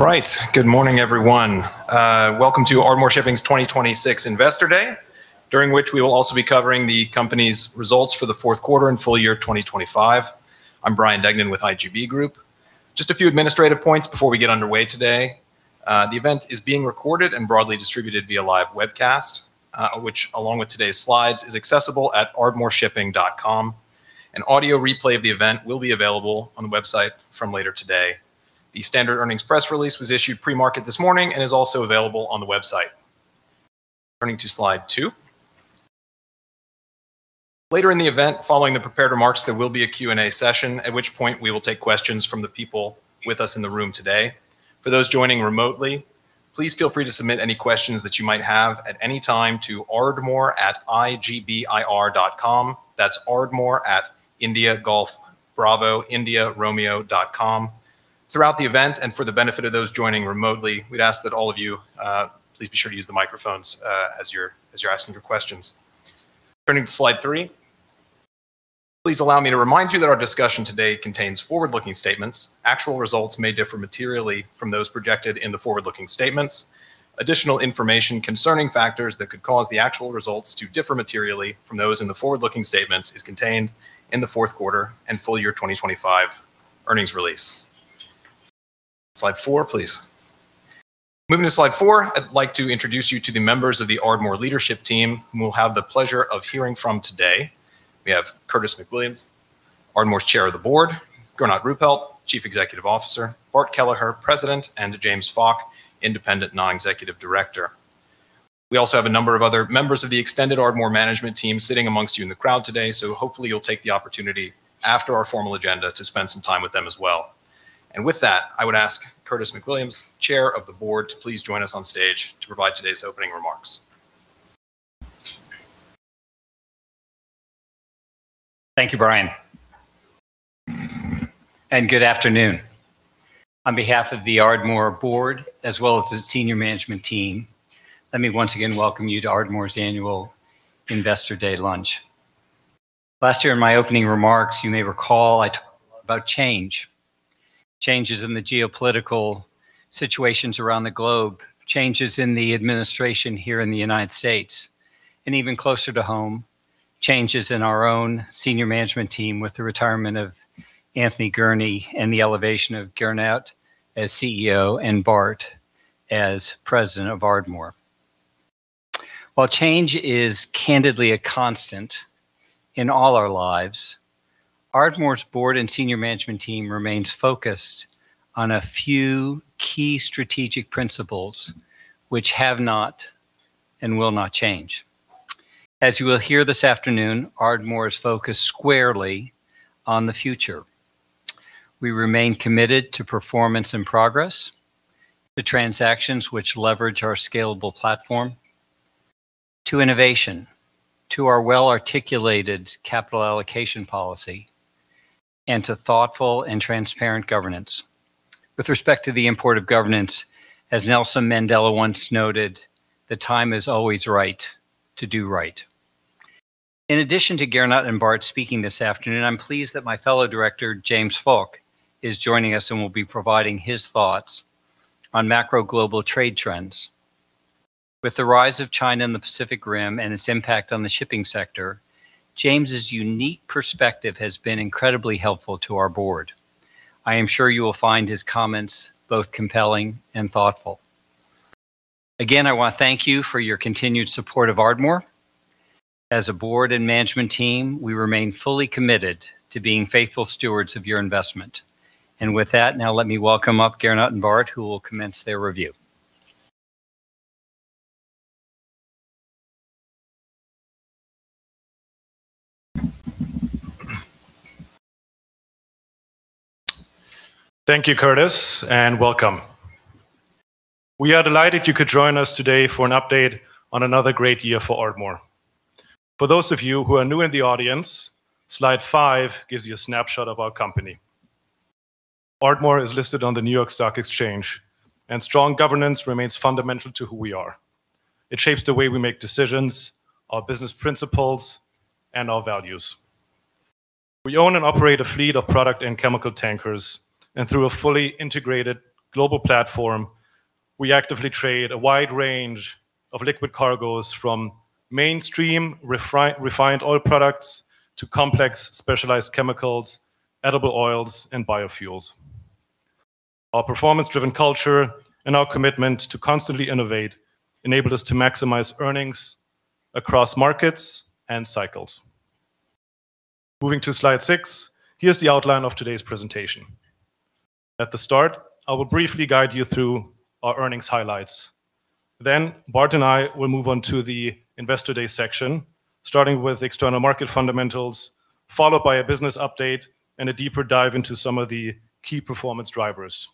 All right. Good morning, everyone. Welcome to Ardmore Shipping's 2026 Investor Day, during which we will also be covering the company's results for the fourth quarter and full year of 2025. I'm Bryan Degnan with IGB Group. Just a few administrative points before we get underway today. The event is being recorded and broadly distributed via live webcast, which, along with today's slides, is accessible at ardmoreshipping.com. An audio replay of the event will be available on the website from later today. The standard earnings press release was issued pre-market this morning and is also available on the website. Turning to Slide 2. Later in the event, following the prepared remarks, there will be a Q&A session, at which point we will take questions from the people with us in the room today. For those joining remotely, please feel free to submit any questions that you might have at any time to ardmore@igbir.com. That's ardmore@igbir.com. Throughout the event, and for the benefit of those joining remotely, we'd ask that all of you, please be sure to use the microphones, as you're asking your questions. Turning to Slide 3. Please allow me to remind you that our discussion today contains forward-looking statements. Actual results may differ materially from those projected in the forward-looking statements. Additional information concerning factors that could cause the actual results to differ materially from those in the forward-looking statements is contained in the fourth quarter and full year 2025 earnings release. Slide four, please. Moving to Slide 4, I'd like to introduce you to the members of the Ardmore leadership team, whom we'll have the pleasure of hearing from today. We have Curtis McWilliams, Ardmore's Chair of the Board, Gernot Ruppelt, Chief Executive Officer, Bart Kelleher, President, and James Fok, Independent Non-Executive Director. We also have a number of other members of the extended Ardmore management team sitting amongst you in the crowd today, so hopefully you'll take the opportunity after our formal agenda to spend some time with them as well. And with that, I would ask Curtis McWilliams, Chair of the Board, to please join us on stage to provide today's opening remarks. Thank you, Bryan. Good afternoon. On behalf of the Ardmore Board, as well as the senior management team, let me once again welcome you to Ardmore's Annual Investor Day lunch. Last year, in my opening remarks, you may recall I talked about change: changes in the geopolitical situations around the globe, changes in the administration here in the United States, and even closer to home, changes in our own senior management team with the retirement of Anthony Gurnee and the elevation of Gernot as CEO and Bart as President of Ardmore. While change is candidly a constant in all our lives, Ardmore's board and senior management team remains focused on a few key strategic principles which have not and will not change. As you will hear this afternoon, Ardmore is focused squarely on the future. We remain committed to performance and progress, to transactions which leverage our scalable platform, to innovation, to our well-articulated capital allocation policy, and to thoughtful and transparent governance. With respect to the importance of governance, as Nelson Mandela once noted, "The time is always right to do right." In addition to Gernot and Bart speaking this afternoon, I'm pleased that my fellow director, James Fok, is joining us and will be providing his thoughts on macro global trade trends. With the rise of China in the Pacific Rim and its impact on the shipping sector, James' unique perspective has been incredibly helpful to our board. I am sure you will find his comments both compelling and thoughtful. Again, I want to thank you for your continued support of Ardmore. As a board and management team, we remain fully committed to being faithful stewards of your investment. With that, now let me welcome up Gernot and Bart, who will commence their review. Thank you, Curtis, and welcome. We are delighted you could join us today for an update on another great year for Ardmore. For those of you who are new in the audience, Slide 5 gives you a snapshot of our company. Ardmore is listed on the New York Stock Exchange, and strong governance remains fundamental to who we are. It shapes the way we make decisions, our business principles, and our values. We own and operate a fleet of product and chemical tankers, and through a fully integrated global platform, we actively trade a wide range of liquid cargoes, from mainstream refined oil products to complex specialized chemicals, edible oils, and biofuels. Our performance-driven culture and our commitment to constantly innovate enable us to maximize earnings across markets and cycles. Moving to Slide 6, here's the outline of today's presentation. At the start, I will briefly guide you through our earnings highlights. Then Bart and I will move on to the Investor Day section, starting with external market fundamentals, followed by a business update and a deeper dive into some of the key performance drivers.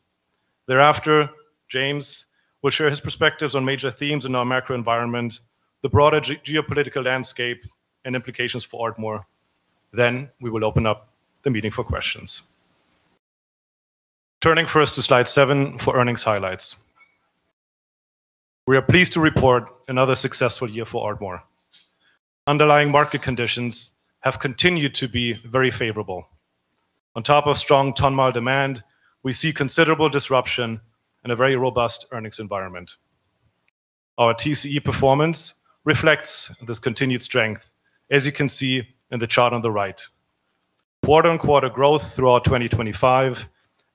Thereafter, James will share his perspectives on major themes in our macro environment, the broader geopolitical landscape, and implications for Ardmore. Then we will open up the meeting for questions. Turning first to Slide 7 for earnings highlights... We are pleased to report another successful year for Ardmore. Underlying market conditions have continued to be very favorable. On top of strong ton-mile demand, we see considerable disruption and a very robust earnings environment. Our TCE performance reflects this continued strength, as you can see in the chart on the right. Quarter-on-quarter growth throughout 2025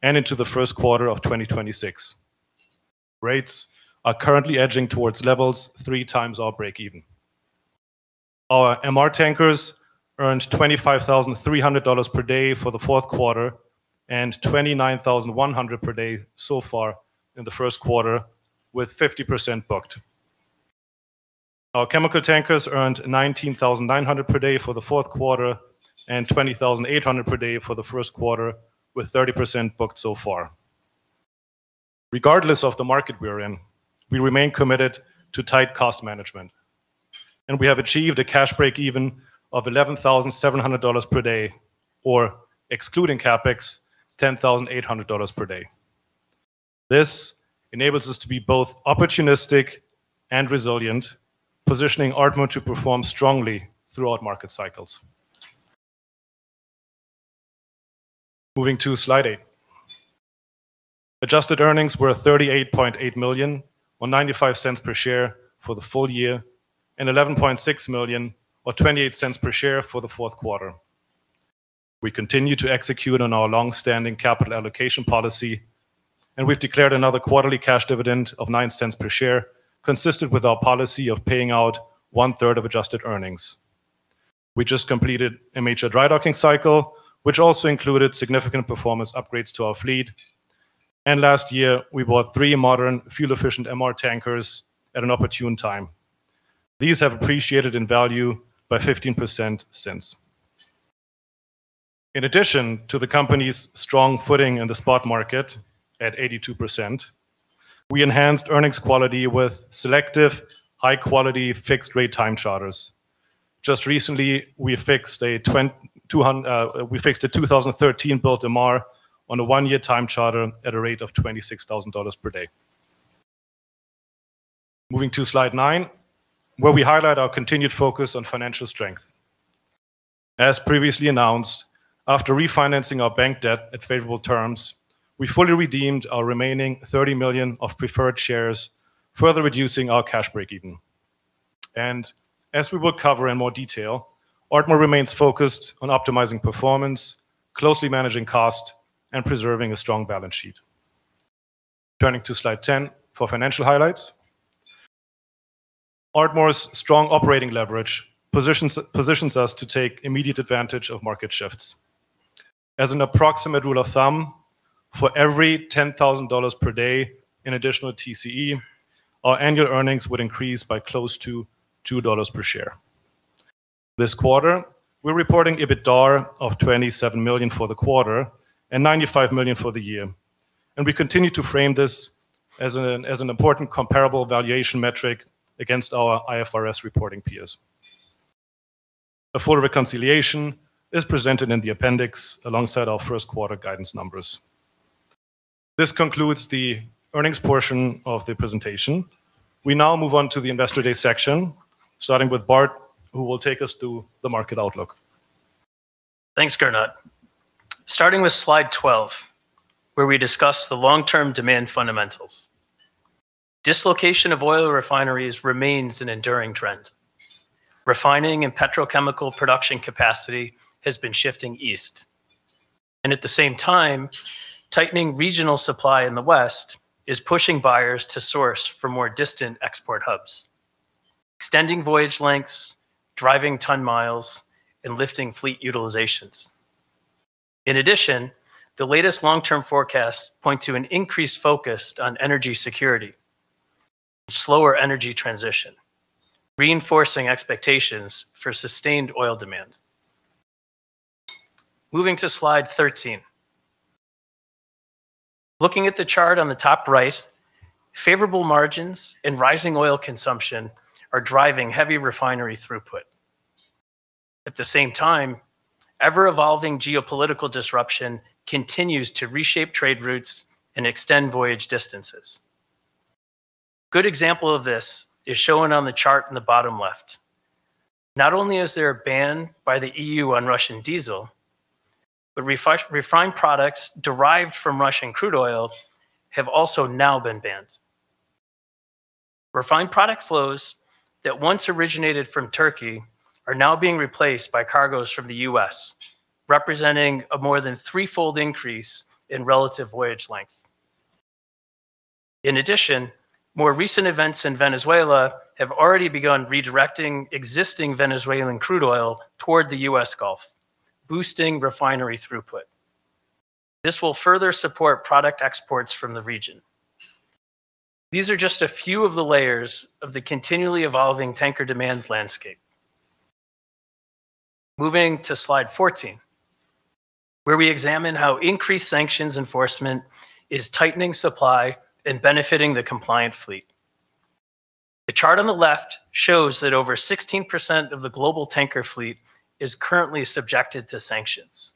and into the first quarter of 2026. Rates are currently edging towards levels three times our breakeven. Our MR tankers earned $25,300 per day for the fourth quarter, and $29,100 per day so far in the first quarter, with 50% booked. Our chemical tankers earned $19,900 per day for the fourth quarter and $20,800 per day for the first quarter, with 30% booked so far. Regardless of the market we are in, we remain committed to tight cost management, and we have achieved a cash breakeven of $11,700 per day, or excluding CapEx, $10,800 per day. This enables us to be both opportunistic and resilient, positioning Ardmore to perform strongly throughout market cycles. Moving to Slide 8. Adjusted earnings were $38.8 million or $0.95 per share for the full year and $11.6 million or $0.28 per share for the fourth quarter. We continue to execute on our long-standing capital allocation policy, and we've declared another quarterly cash dividend of $0.09 per share, consistent with our policy of paying out one-third of adjusted earnings. We just completed a major dry docking cycle, which also included significant performance upgrades to our fleet, and last year, we bought three modern, fuel-efficient MR tankers at an opportune time. These have appreciated in value by 15% since. In addition to the company's strong footing in the spot market at 82%, we enhanced earnings quality with selective, high-quality, fixed-rate time charters. Just recently, we fixed a twenty-two hundred... We fixed a 2013-built MR on a one-year time charter at a rate of $26,000 per day. Moving to Slide 9, where we highlight our continued focus on financial strength. As previously announced, after refinancing our bank debt at favorable terms, we fully redeemed our remaining $30 million of preferred shares, further reducing our cash breakeven. As we will cover in more detail, Ardmore remains focused on optimizing performance, closely managing cost, and preserving a strong balance sheet. Turning to Slide 10 for financial highlights. Ardmore's strong operating leverage positions us to take immediate advantage of market shifts. As an approximate rule of thumb, for every $10,000 per day in additional TCE, our annual earnings would increase by close to $2 per share. This quarter, we're reporting EBITDAR of $27 million for the quarter and $95 million for the year, and we continue to frame this as an important comparable valuation metric against our IFRS reporting peers. A full reconciliation is presented in the appendix alongside our first quarter guidance numbers. This concludes the earnings portion of the presentation. We now move on to the Investor Day section, starting with Bart, who will take us through the market outlook. Thanks, Gernot. Starting with Slide 12, where we discuss the long-term demand fundamentals. Dislocation of oil refineries remains an enduring trend. Refining and petrochemical production capacity has been shifting east, and at the same time, tightening regional supply in the West is pushing buyers to source for more distant export hubs, extending voyage lengths, driving ton miles, and lifting fleet utilizations. In addition, the latest long-term forecasts point to an increased focus on energy security, slower energy transition, reinforcing expectations for sustained oil demand. Moving to Slide 13. Looking at the chart on the top right, favorable margins and rising oil consumption are driving heavy refinery throughput. At the same time, ever-evolving geopolitical disruption continues to reshape trade routes and extend voyage distances. Good example of this is shown on the chart in the bottom left. Not only is there a ban by the EU on Russian diesel, but refined products derived from Russian crude oil have also now been banned. Refined product flows that once originated from Turkey are now being replaced by cargoes from the U.S., representing a more than threefold increase in relative voyage length. In addition, more recent events in Venezuela have already begun redirecting existing Venezuelan crude oil toward the U.S. Gulf, boosting refinery throughput. This will further support product exports from the region. These are just a few of the layers of the continually evolving tanker demand landscape. Moving to Slide 14, where we examine how increased sanctions enforcement is tightening supply and benefiting the compliant fleet. The chart on the left shows that over 16% of the global tanker fleet is currently subjected to sanctions…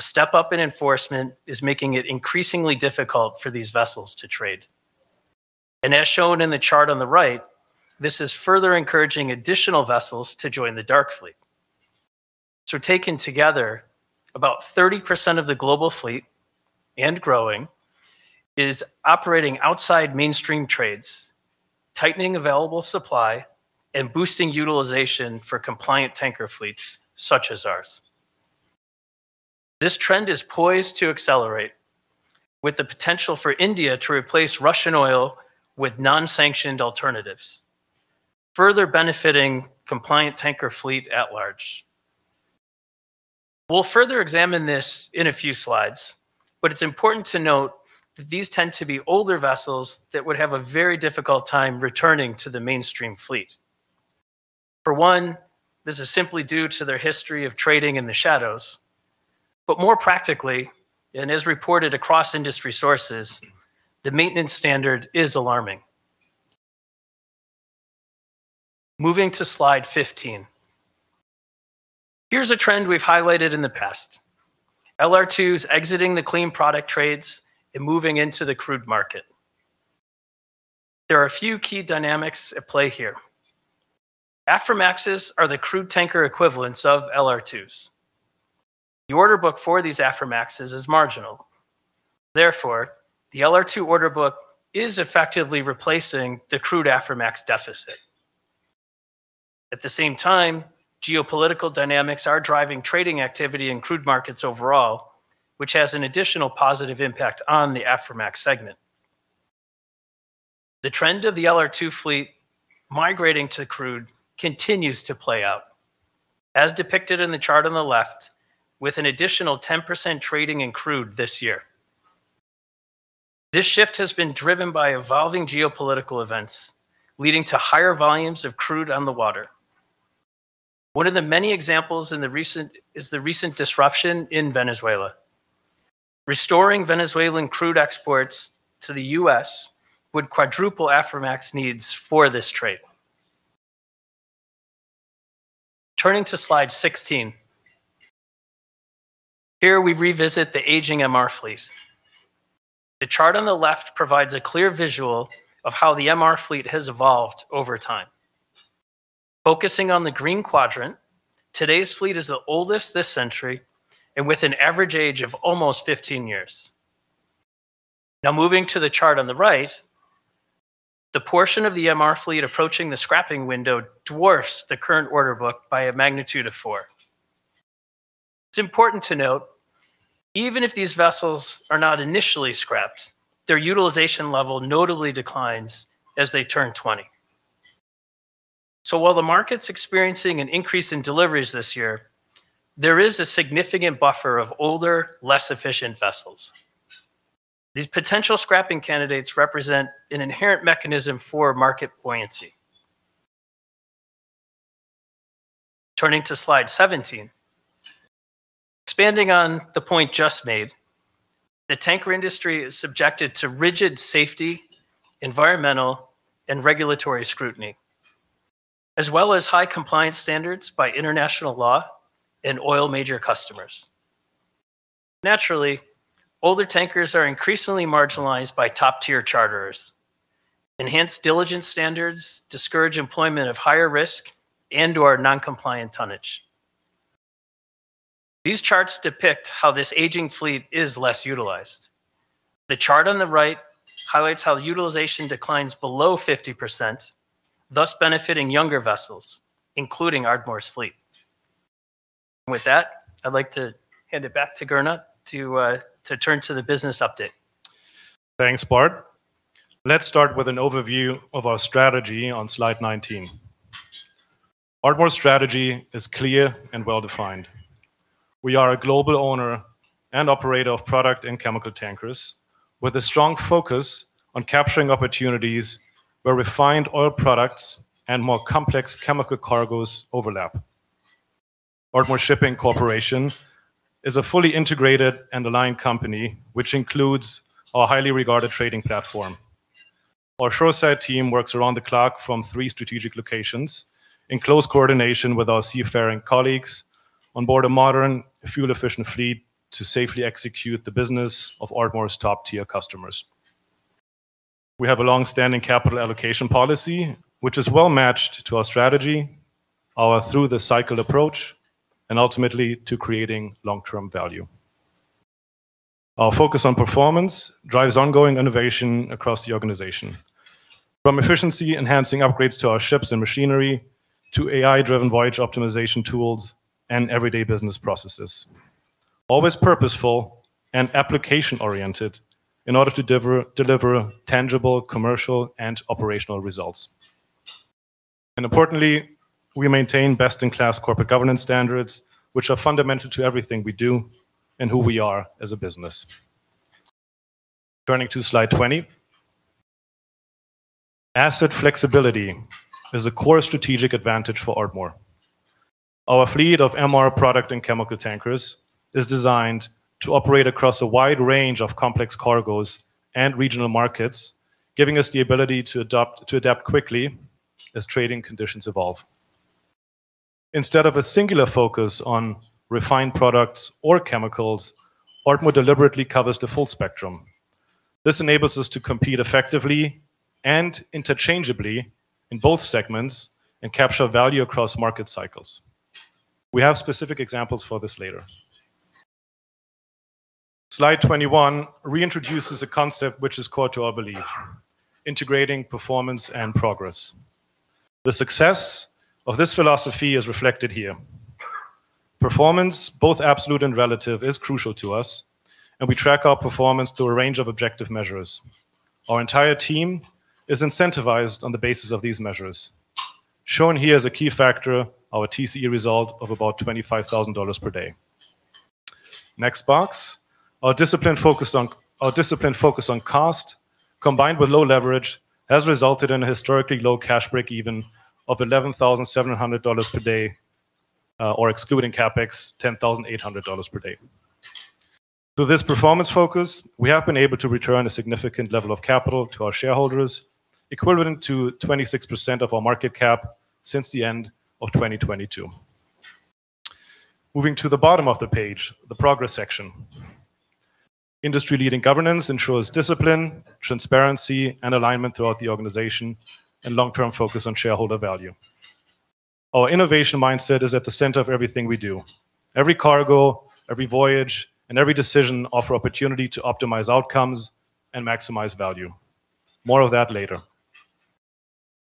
A step up in enforcement is making it increasingly difficult for these vessels to trade. As shown in the chart on the right, this is further encouraging additional vessels to join the dark fleet. Taken together, about 30% of the global fleet, and growing, is operating outside mainstream trades, tightening available supply and boosting utilization for compliant tanker fleets, such as ours. This trend is poised to accelerate, with the potential for India to replace Russian oil with non-sanctioned alternatives, further benefiting compliant tanker fleet at large. We'll further examine this in a few slides, but it's important to note that these tend to be older vessels that would have a very difficult time returning to the mainstream fleet. For one, this is simply due to their history of trading in the shadows, but more practically, and as reported across industry sources, the maintenance standard is alarming. Moving to Slide 15. Here's a trend we've highlighted in the past: LR2 is exiting the clean product trades and moving into the crude market. There are a few key dynamics at play here. Aframaxes are the crude tanker equivalents of LR2s. The order book for these Aframaxes is marginal. Therefore, the LR2 order book is effectively replacing the crude Aframax deficit. At the same time, geopolitical dynamics are driving trading activity in crude markets overall, which has an additional positive impact on the Aframax segment. The trend of the LR2 fleet migrating to crude continues to play out, as depicted in the chart on the left, with an additional 10% trading in crude this year. This shift has been driven by evolving geopolitical events, leading to higher volumes of crude on the water. One of the many examples is the recent disruption in Venezuela. Restoring Venezuelan crude exports to the U.S. would quadruple Aframax needs for this trade. Turning to Slide 16. Here, we revisit the aging MR fleet. The chart on the left provides a clear visual of how the MR fleet has evolved over time. Focusing on the green quadrant, today's fleet is the oldest this century, and with an average age of almost 15 years. Now, moving to the chart on the right, the portion of the MR fleet approaching the scrapping window dwarfs the current order book by a magnitude of four. It's important to note, even if these vessels are not initially scrapped, their utilization level notably declines as they turn 20. So while the market's experiencing an increase in deliveries this year, there is a significant buffer of older, less efficient vessels. These potential scrapping candidates represent an inherent mechanism for market buoyancy. Turning to Slide 17. Expanding on the point just made, the tanker industry is subjected to rigid safety, environmental, and regulatory scrutiny, as well as high compliance standards by international law and oil major customers. Naturally, older tankers are increasingly marginalized by top-tier charterers. Enhanced diligence standards discourage employment of higher risk and/or non-compliant tonnage. These charts depict how this aging fleet is less utilized. The chart on the right highlights how utilization declines below 50%, thus benefiting younger vessels, including Ardmore's fleet. With that, I'd like to hand it back to Gernot to to turn to the business update. Thanks, Bart. Let's start with an overview of our strategy on Slide 19. Ardmore's strategy is clear and well-defined. We are a global owner and operator of product and chemical tankers, with a strong focus on capturing opportunities where refined oil products and more complex chemical cargoes overlap. Ardmore Shipping Corp is a fully integrated and aligned company, which includes our highly regarded trading platform. Our shoreside team works around the clock from three strategic locations in close coordination with our seafaring colleagues on board a modern, fuel-efficient fleet to safely execute the business of Ardmore's top-tier customers. We have a long-standing capital allocation policy, which is well-matched to our strategy, our through-the-cycle approach, and ultimately to creating long-term value. Our focus on performance drives ongoing innovation across the organization, from efficiency-enhancing upgrades to our ships and machinery, to AI-driven voyage optimization tools and everyday business processes. Always purposeful and application-oriented in order to deliver tangible, commercial, and operational results. Importantly, we maintain best-in-class corporate governance standards, which are fundamental to everything we do and who we are as a business. Turning to Slide 20. Asset flexibility is a core strategic advantage for Ardmore. Our fleet of MR product and chemical tankers is designed to operate across a wide range of complex cargoes and regional markets, giving us the ability to adapt quickly as trading conditions evolve. Instead of a singular focus on refined products or chemicals, Ardmore deliberately covers the full spectrum. This enables us to compete effectively and interchangeably in both segments and capture value across market cycles. We have specific examples for this later. Slide 21 reintroduces a concept which is core to our belief: integrating performance and progress. The success of this philosophy is reflected here. Performance, both absolute and relative, is crucial to us, and we track our performance through a range of objective measures. Our entire team is incentivized on the basis of these measures. Shown here as a key factor, our TCE result of about $25,000 per day. Next box. Our discipline focus on cost, combined with low leverage, has resulted in a historically low cash breakeven of $11,700 per day, or excluding CapEx, $10,800 per day. Through this performance focus, we have been able to return a significant level of capital to our shareholders, equivalent to 26% of our market cap since the end of 2022. Moving to the bottom of the page, the progress section. Industry-leading governance ensures discipline, transparency, and alignment throughout the organization, and long-term focus on shareholder value. Our innovation mindset is at the center of everything we do. Every cargo, every voyage, and every decision offer opportunity to optimize outcomes and maximize value. More of that later.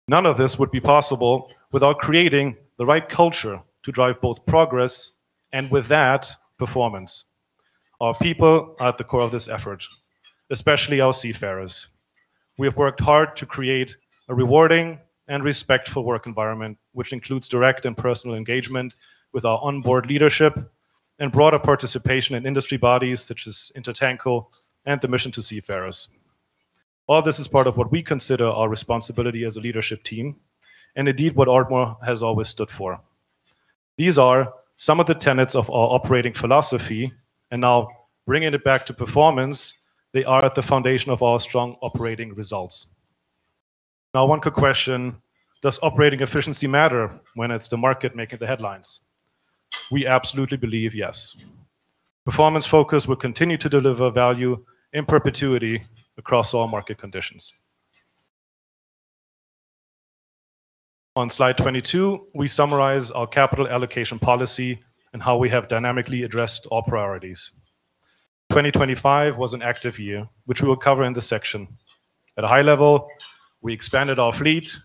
None of this would be possible without creating the right culture to drive both progress and, with that, performance. Our people are at the core of this effort, especially our seafarers. We have worked hard to create a rewarding and respectful work environment, which includes direct and personal engagement with our onboard leadership and broader participation in industry bodies, such as INTERTANKO and the Mission to Seafarers. All this is part of what we consider our responsibility as a leadership team and indeed, what Ardmore has always stood for. These are some of the tenets of our operating philosophy, and now bringing it back to performance, they are at the foundation of our strong operating results. Now, one could question: does operating efficiency matter when it's the market making the headlines? We absolutely believe yes. Performance focus will continue to deliver value in perpetuity across all market conditions. On Slide 22, we summarize our capital allocation policy and how we have dynamically addressed our priorities. 2025 was an active year, which we will cover in this section. At a high level, we expanded our fleet,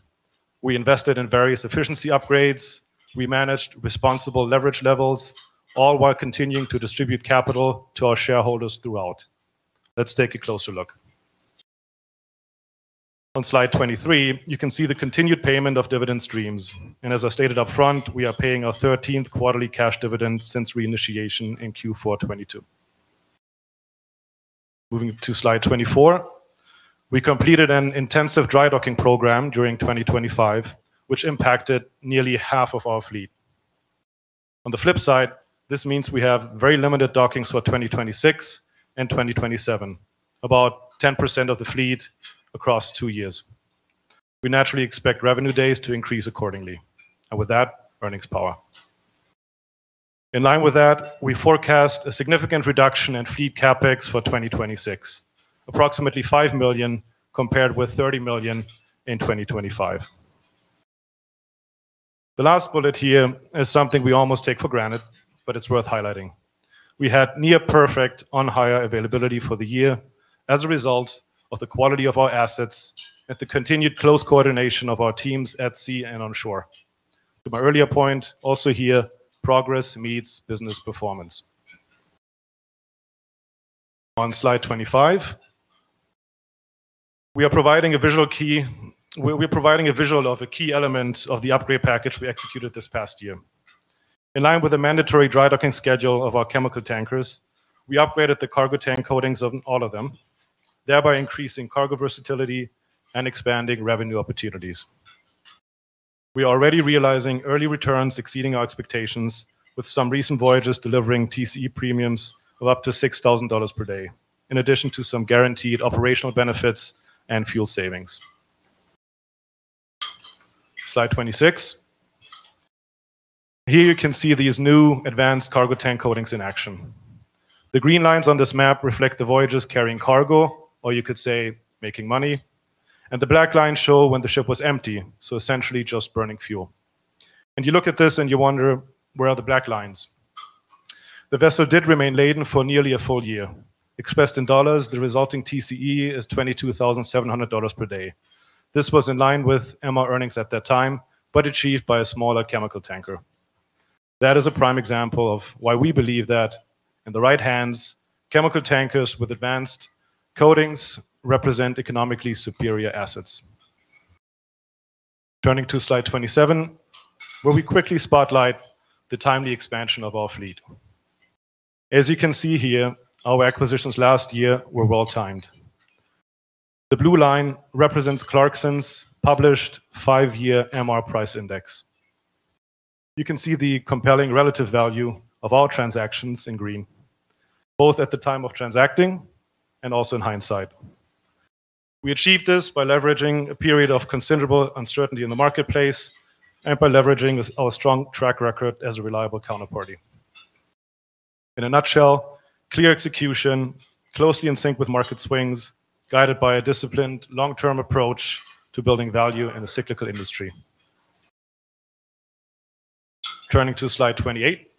we invested in various efficiency upgrades, we managed responsible leverage levels, all while continuing to distribute capital to our shareholders throughout. Let's take a closer look. On Slide 23, you can see the continued payment of dividend streams, and as I stated upfront, we are paying our 13th quarterly cash dividend since reinitiation in Q4 2022. Moving to Slide 24. We completed an intensive dry docking program during 2025, which impacted nearly half of our fleet. On the flip side, this means we have very limited dockings for 2026 and 2027, about 10% of the fleet across two years. We naturally expect revenue days to increase accordingly, and with that, earnings power. In line with that, we forecast a significant reduction in fleet CapEx for 2026, approximately $5 million, compared with $30 million in 2025. The last bullet here is something we almost take for granted, but it's worth highlighting. We had near perfect on-hire availability for the year as a result of the quality of our assets and the continued close coordination of our teams at sea and on shore. To my earlier point, also here, progress meets business performance. On Slide 25, we're providing a visual of a key element of the upgrade package we executed this past year. In line with the mandatory drydocking schedule of our chemical tankers, we upgraded the cargo tank coatings on all of them, thereby increasing cargo versatility and expanding revenue opportunities. We are already realizing early returns exceeding our expectations, with some recent voyages delivering TCE premiums of up to $6,000 per day, in addition to some guaranteed operational benefits and fuel savings. Slide 26. Here you can see these new advanced cargo tank coatings in action. The green lines on this map reflect the voyages carrying cargo, or you could say, making money, and the black lines show when the ship was empty, so essentially just burning fuel. And you look at this and you wonder, where are the black lines? The vessel did remain laden for nearly a full year. Expressed in dollars, the resulting TCE is $22,700 per day. This was in line with MR earnings at that time, but achieved by a smaller chemical tanker. That is a prime example of why we believe that in the right hands, chemical tankers with advanced coatings represent economically superior assets. Turning to Slide 27, where we quickly spotlight the timely expansion of our fleet. As you can see here, our acquisitions last year were well-timed. The blue line represents Clarksons' published five-year MR price index. You can see the compelling relative value of our transactions in green, both at the time of transacting and also in hindsight.... We achieved this by leveraging a period of considerable uncertainty in the marketplace and by leveraging our strong track record as a reliable counterparty. In a nutshell, clear execution, closely in sync with market swings, guided by a disciplined long-term approach to building value in a cyclical industry. Turning to slide 28.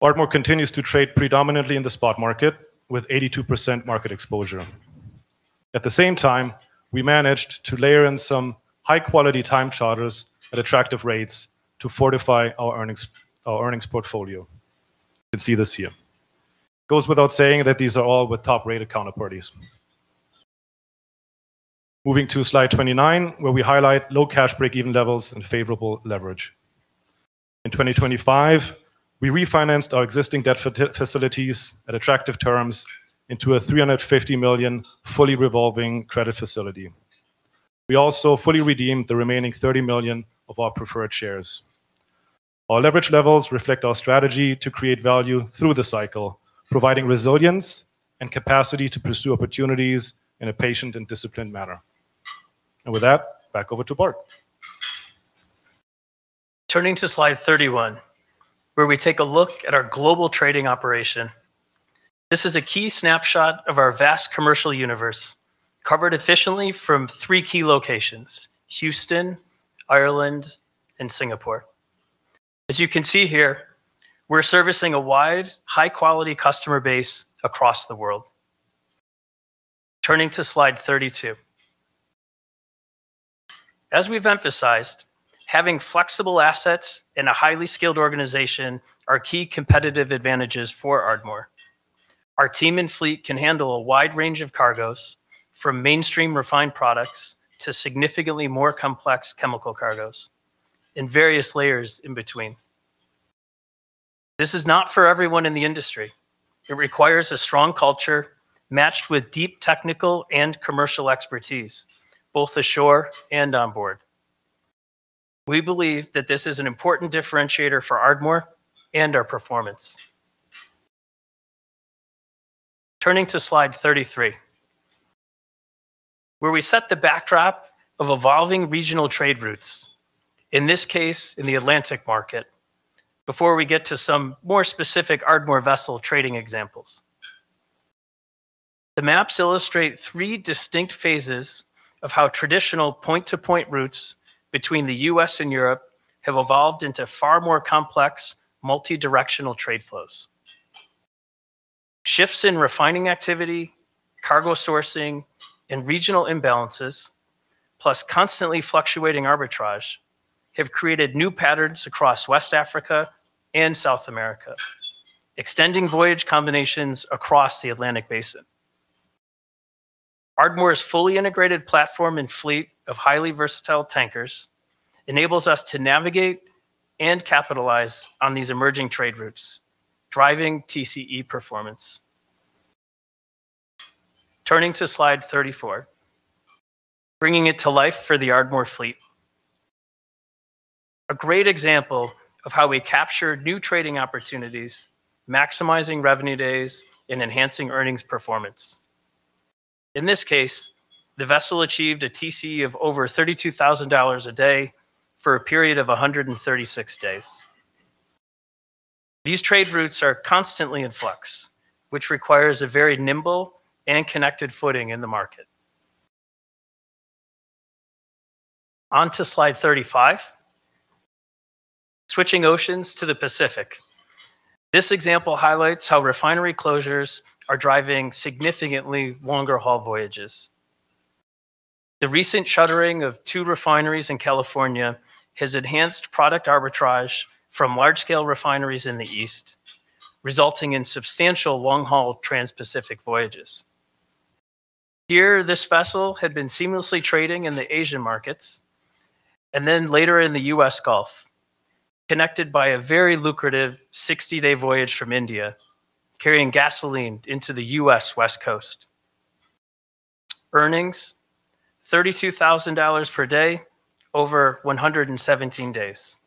Ardmore continues to trade predominantly in the spot market, with 82% market exposure. At the same time, we managed to layer in some high-quality time charters at attractive rates to fortify our earnings, our earnings portfolio. You can see this here. It goes without saying that these are all with top-rated counterparties. Moving to Slide 29, where we highlight low cash breakeven levels and favorable leverage. In 2025, we refinanced our existing debt facilities at attractive terms into a $350 million fully revolving credit facility. We also fully redeemed the remaining $30 million of our preferred shares. Our leverage levels reflect our strategy to create value through the cycle, providing resilience and capacity to pursue opportunities in a patient and disciplined manner. And with that, back over to Bart. Turning to Slide 31, where we take a look at our global trading operation. This is a key snapshot of our vast commercial universe, covered efficiently from three key locations: Houston, Ireland, and Singapore. As you can see here, we're servicing a wide, high-quality customer base across the world. Turning to Slide 32. As we've emphasized, having flexible assets and a highly skilled organization are key competitive advantages for Ardmore. Our team and fleet can handle a wide range of cargoes, from mainstream refined products to significantly more complex chemical cargoes, and various layers in between. This is not for everyone in the industry. It requires a strong culture matched with deep technical and commercial expertise, both ashore and on board. We believe that this is an important differentiator for Ardmore and our performance. Turning to Slide 33, where we set the backdrop of evolving regional trade routes, in this case, in the Atlantic market, before we get to some more specific Ardmore vessel trading examples. The maps illustrate three distinct phases of how traditional point-to-point routes between the U.S. and Europe have evolved into far more complex, multi-directional trade flows. Shifts in refining activity, cargo sourcing, and regional imbalances, plus constantly fluctuating arbitrage, have created new patterns across West Africa and South America, extending voyage combinations across the Atlantic Basin. Ardmore's fully integrated platform and fleet of highly versatile tankers enables us to navigate and capitalize on these emerging trade routes, driving TCE performance. Turning to Slide 34, bringing it to life for the Ardmore fleet. A great example of how we capture new trading opportunities, maximizing revenue days, and enhancing earnings performance. In this case, the vessel achieved a TCE of over $32,000 a day for a period of 136 days. These trade routes are constantly in flux, which requires a very nimble and connected footing in the market. On to Slide 35, switching oceans to the Pacific. This example highlights how refinery closures are driving significantly longer haul voyages. The recent shuttering of two refineries in California has enhanced product arbitrage from large-scale refineries in the East, resulting in substantial long-haul transpacific voyages. Here, this vessel had been seamlessly trading in the Asian markets, and then later in the U.S. Gulf, connected by a very lucrative 60-day voyage from India, carrying gasoline into the U.S. West Coast. Earnings: $32,000 per day over 117 days.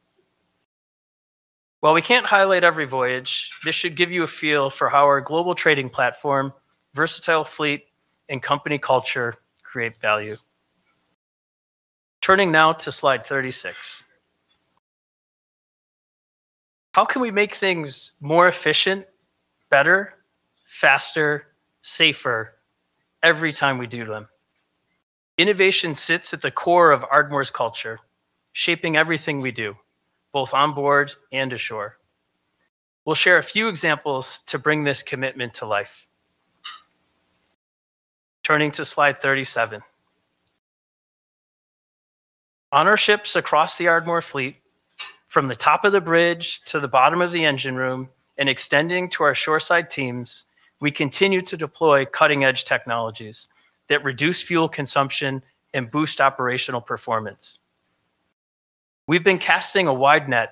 While we can't highlight every voyage, this should give you a feel for how our global trading platform, versatile fleet, and company culture create value. Turning now to Slide 36. How can we make things more efficient, better, faster, safer every time we do them? Innovation sits at the core of Ardmore's culture, shaping everything we do, both on board and ashore. We'll share a few examples to bring this commitment to life. Turning to Slide 37. On our ships across the Ardmore fleet, from the top of the bridge to the bottom of the engine room and extending to our shoreside teams, we continue to deploy cutting-edge technologies that reduce fuel consumption and boost operational performance. We've been casting a wide net,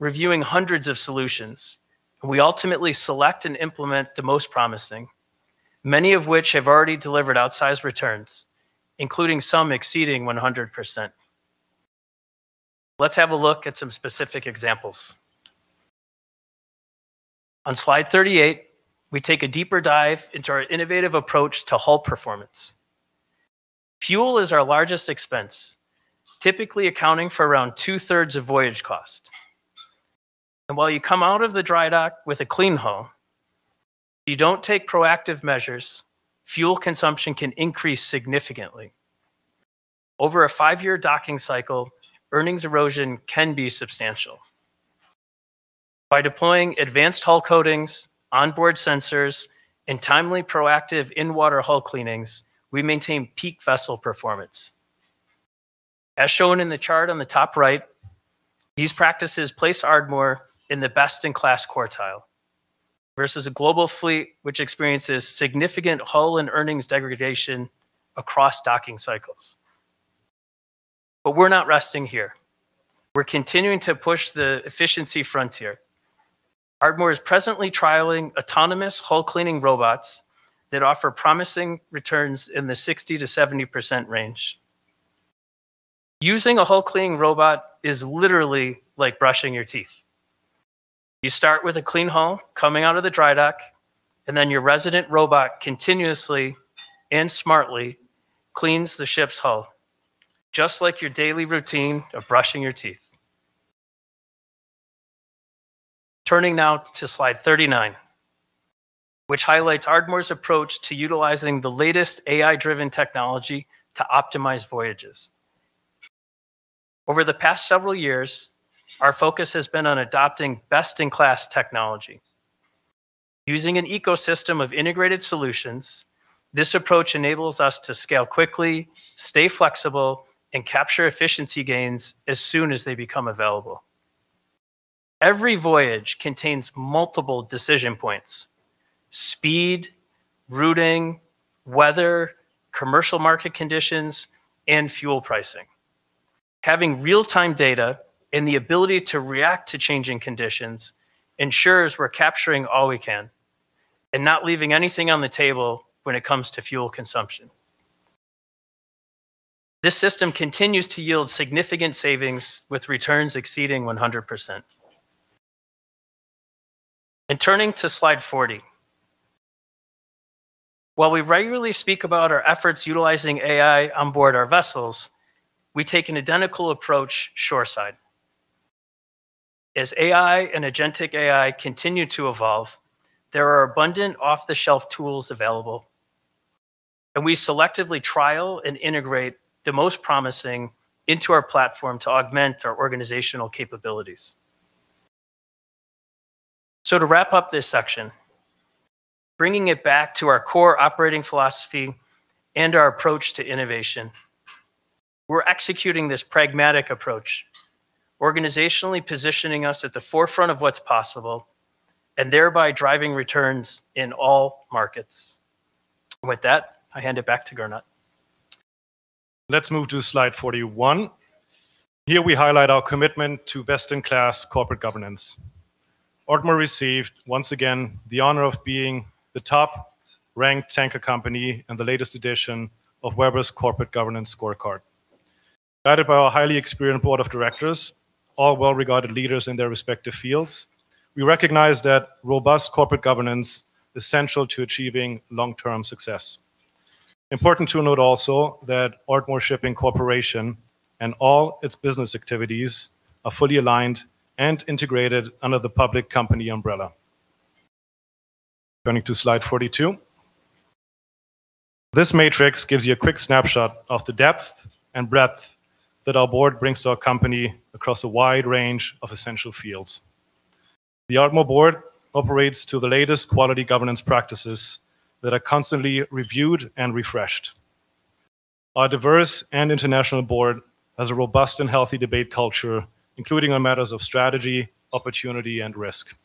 reviewing hundreds of solutions, and we ultimately select and implement the most promising, many of which have already delivered outsized returns, including some exceeding 100%. Let's have a look at some specific examples. On Slide 38, we take a deeper dive into our innovative approach to hull performance. Fuel is our largest expense, typically accounting for around two-thirds of voyage cost. And while you come out of the dry dock with a clean hull, if you don't take proactive measures, fuel consumption can increase significantly. Over a five-year docking cycle, earnings erosion can be substantial. By deploying advanced hull coatings, onboard sensors, and timely proactive in-water hull cleanings, we maintain peak vessel performance. As shown in the chart on the top right, these practices place Ardmore in the best-in-class quartile versus a global fleet, which experiences significant hull and earnings degradation across docking cycles. But we're not resting here. We're continuing to push the efficiency frontier. Ardmore is presently trialing autonomous hull-cleaning robots that offer promising returns in the 60%-70% range. Using a hull-cleaning robot is literally like brushing your teeth. You start with a clean hull coming out of the dry dock, and then your resident robot continuously and smartly cleans the ship's hull, just like your daily routine of brushing your teeth. Turning now to Slide 39, which highlights Ardmore's approach to utilizing the latest AI-driven technology to optimize voyages. Over the past several years, our focus has been on adopting best-in-class technology. Using an ecosystem of integrated solutions, this approach enables us to scale quickly, stay flexible, and capture efficiency gains as soon as they become available. Every voyage contains multiple decision points: speed, routing, weather, commercial market conditions, and fuel pricing. Having real-time data and the ability to react to changing conditions ensures we're capturing all we can and not leaving anything on the table when it comes to fuel consumption. This system continues to yield significant savings, with returns exceeding 100%. Turning to Slide 40. While we regularly speak about our efforts utilizing AI onboard our vessels, we take an identical approach shoreside. As AI and agentic AI continue to evolve, there are abundant off-the-shelf tools available, and we selectively trial and integrate the most promising into our platform to augment our organizational capabilities. So to wrap up this section, bringing it back to our core operating philosophy and our approach to innovation, we're executing this pragmatic approach, organizationally positioning us at the forefront of what's possible and thereby driving returns in all markets. With that, I hand it back to Gernot. Let's move to Slide 41. Here we highlight our commitment to best-in-class corporate governance. Ardmore received, once again, the honor of being the top-ranked tanker company in the latest edition of Webber's Corporate Governance Scorecard. Guided by our highly experienced board of directors, all well-regarded leaders in their respective fields, we recognize that robust corporate governance is central to achieving long-term success. Important to note also that Ardmore Shipping Corp and all its business activities are fully aligned and integrated under the public company umbrella. Turning to Slide 42. This matrix gives you a quick snapshot of the depth and breadth that our board brings to our company across a wide range of essential fields. The Ardmore board operates to the latest quality governance practices that are constantly reviewed and refreshed. Our diverse and international board has a robust and healthy debate culture, including on matters of strategy, opportunity, and risk.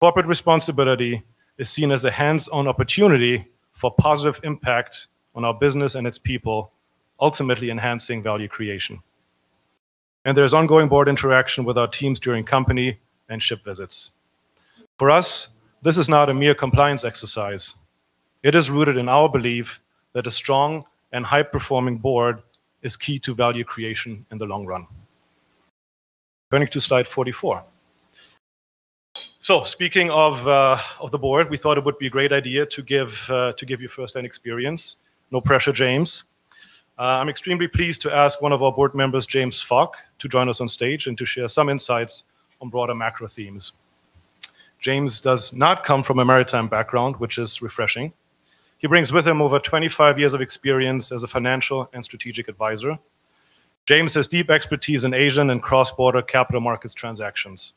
Corporate responsibility is seen as a hands-on opportunity for positive impact on our business and its people, ultimately enhancing value creation. There's ongoing board interaction with our teams during company and ship visits. For us, this is not a mere compliance exercise. It is rooted in our belief that a strong and high-performing board is key to value creation in the long run. Turning to Slide 44. So speaking of the board, we thought it would be a great idea to give you first-hand experience. No pressure, James. I'm extremely pleased to ask one of our board members, James Fok, to join us on stage and to share some insights on broader macro themes. James does not come from a maritime background, which is refreshing. He brings with him over 25 years of experience as a financial and strategic advisor. James has deep expertise in Asian and cross-border capital markets transactions.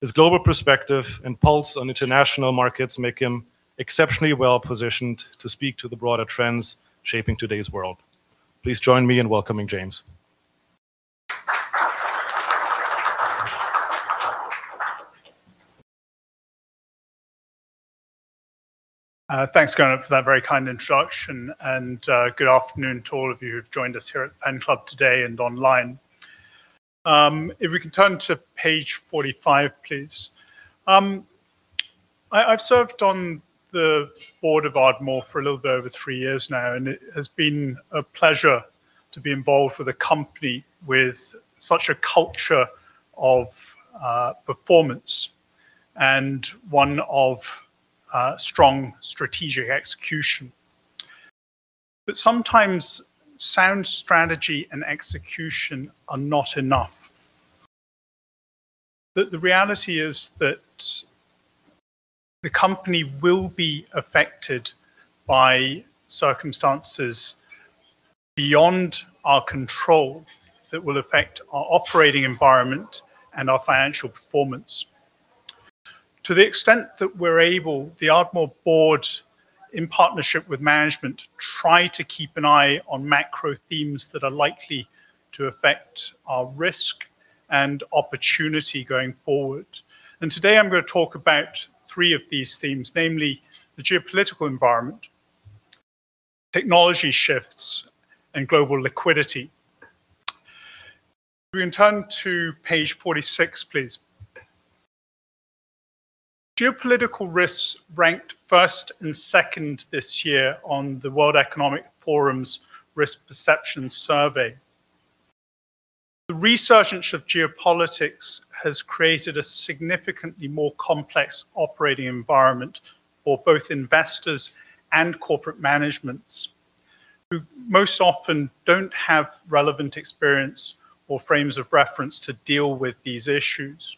His global perspective and pulse on international markets make him exceptionally well-positioned to speak to the broader trends shaping today's world. Please join me in welcoming James. Thanks, Gernot, for that very kind introduction, and good afternoon to all of you who've joined us here at Penn Club today and online. If we can turn to Page 45, please? I've served on the board of Ardmore for a little bit over three years now, and it has been a pleasure to be involved with a company with such a culture of performance and one of strong strategic execution. But sometimes sound strategy and execution are not enough. The reality is that the company will be affected by circumstances beyond our control that will affect our operating environment and our financial performance. To the extent that we're able, the Ardmore board, in partnership with management, try to keep an eye on macro themes that are likely to affect our risk and opportunity going forward. Today I'm gonna talk about three of these themes, namely the geopolitical environment, technology shifts, and global liquidity. If we can turn to Page 46, please. Geopolitical risks ranked first and second this year on the World Economic Forum's Risk Perception Survey. The resurgence of geopolitics has created a significantly more complex operating environment for both investors and corporate managements, who most often don't have relevant experience or frames of reference to deal with these issues.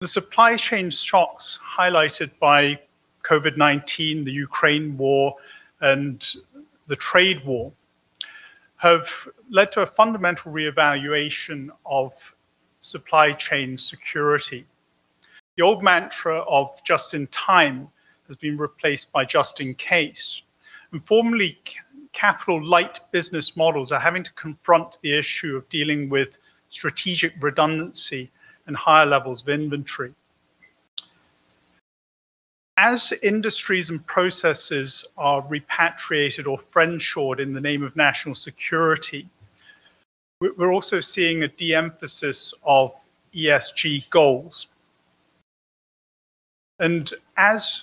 The supply chain shocks highlighted by COVID-19, the Ukraine war, and the trade war, have led to a fundamental reevaluation of supply chain security. The old mantra of just in time has been replaced by just in case, and formerly capital-light business models are having to confront the issue of dealing with strategic redundancy and higher levels of inventory. As industries and processes are repatriated or friendshored in the name of national security, we're, we're also seeing a de-emphasis of ESG goals. And as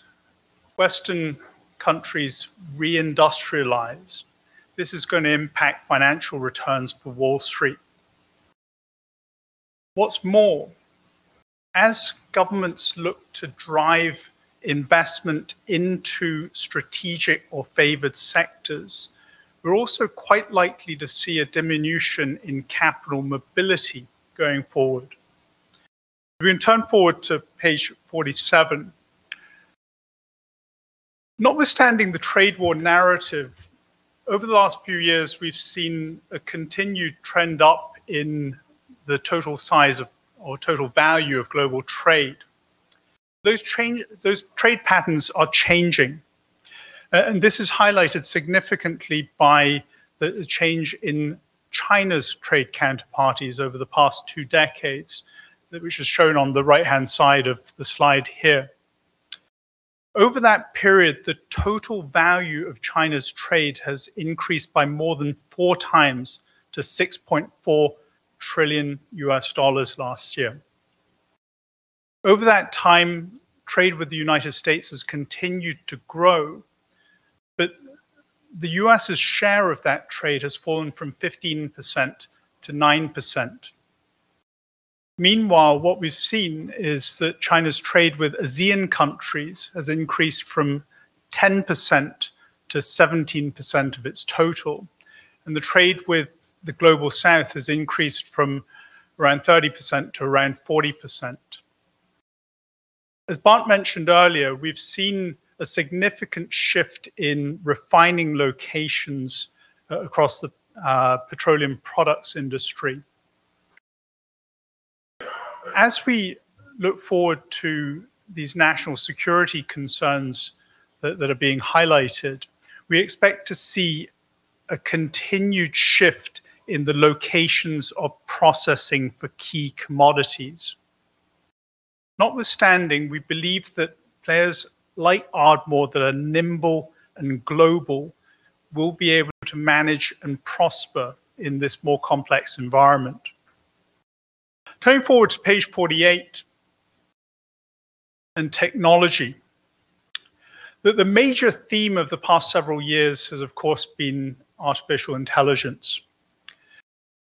Western countries re-industrialize, this is gonna impact financial returns for Wall Street. What's more, as governments look to drive investment into strategic or favored sectors, we're also quite likely to see a diminution in capital mobility going forward. If we can turn forward to Page 47. Notwithstanding the trade war narrative, over the last few years, we've seen a continued trend up in the total size of, or total value of global trade. Those trade patterns are changing, and this is highlighted significantly by the change in China's trade counterparties over the past two decades, that which is shown on the right-hand side of the slide here. Over that period, the total value of China's trade has increased by more than four times to $6.4 trillion last year. Over that time, trade with the United States has continued to grow, but the U.S.'s share of that trade has fallen from 15% to 9%. Meanwhile, what we've seen is that China's trade with ASEAN countries has increased from 10% to 17% of its total, and the trade with the Global South has increased from around 30% to around 40%. As Bart mentioned earlier, we've seen a significant shift in refining locations across the petroleum products industry. As we look forward to these national security concerns that are being highlighted, we expect to see a continued shift in the locations of processing for key commodities. Notwithstanding, we believe that players like Ardmore that are nimble and global will be able to manage and prosper in this more complex environment. Turning forward to Page 48, and technology. The major theme of the past several years has, of course, been artificial intelligence.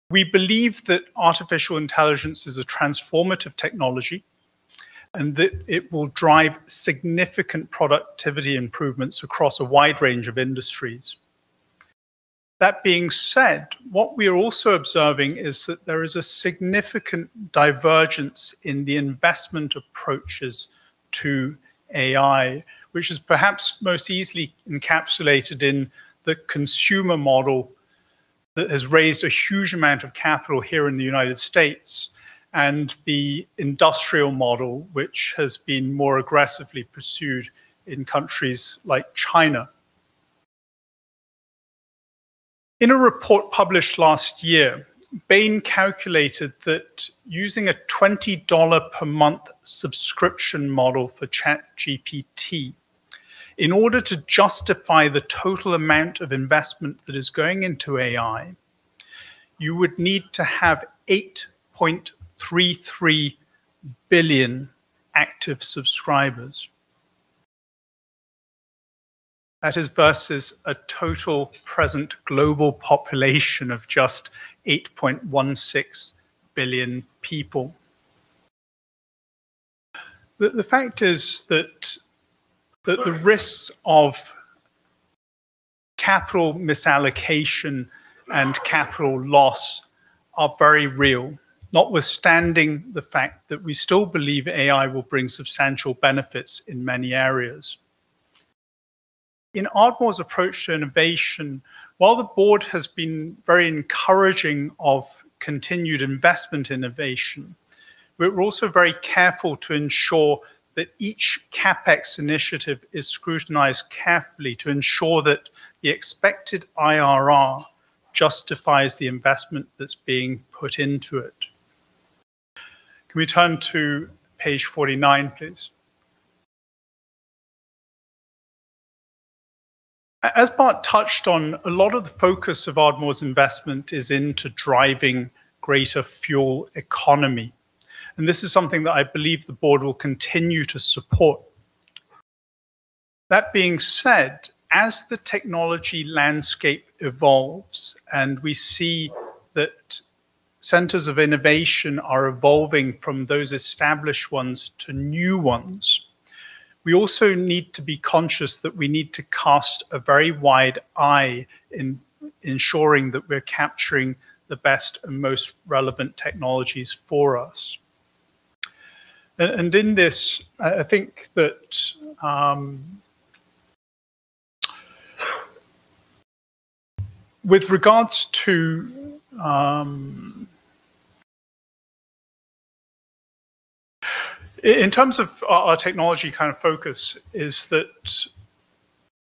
We believe that artificial intelligence is a transformative technology, and that it will drive significant productivity improvements across a wide range of industries. That being said, what we are also observing is that there is a significant divergence in the investment approaches to AI, which is perhaps most easily encapsulated in the consumer model that has raised a huge amount of capital here in the United States, and the industrial model, which has been more aggressively pursued in countries like China. In a report published last year, Bain calculated that using a $20 per month subscription model for ChatGPT, in order to justify the total amount of investment that is going into AI, you would need to have 8.33 billion active subscribers. That is versus a total present global population of just 8.16 billion people. The fact is that the risks of capital misallocation and capital loss are very real, notwithstanding the fact that we still believe AI will bring substantial benefits in many areas. In Ardmore's approach to innovation, while the board has been very encouraging of continued investment innovation, we're also very careful to ensure that each CapEx initiative is scrutinized carefully to ensure that the expected IRR justifies the investment that's being put into it. Can we turn to Page 49, please? As Bart touched on, a lot of the focus of Ardmore's investment is into driving greater fuel economy, and this is something that I believe the board will continue to support. That being said, as the technology landscape evolves and we see that centers of innovation are evolving from those established ones to new ones, we also need to be conscious that we need to cast a very wide eye in ensuring that we're capturing the best and most relevant technologies for us. And in this, I think that, with regards to, in terms of our technology kind of focus is that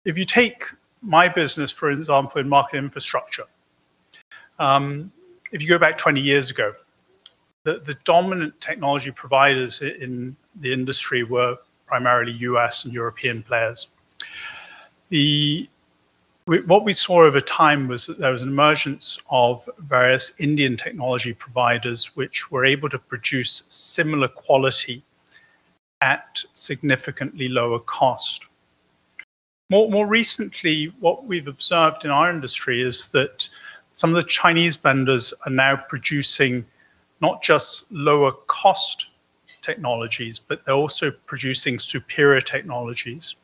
if you take my business, for example, in market infrastructure, if you go back 20 years ago, the dominant technology providers in the industry were primarily U.S. and European players. What we saw over time was that there was an emergence of various Indian technology providers, which were able to produce similar quality at significantly lower cost. More recently, what we've observed in our industry is that some of the Chinese vendors are now producing not just lower cost technologies, but they're also producing superior technologies.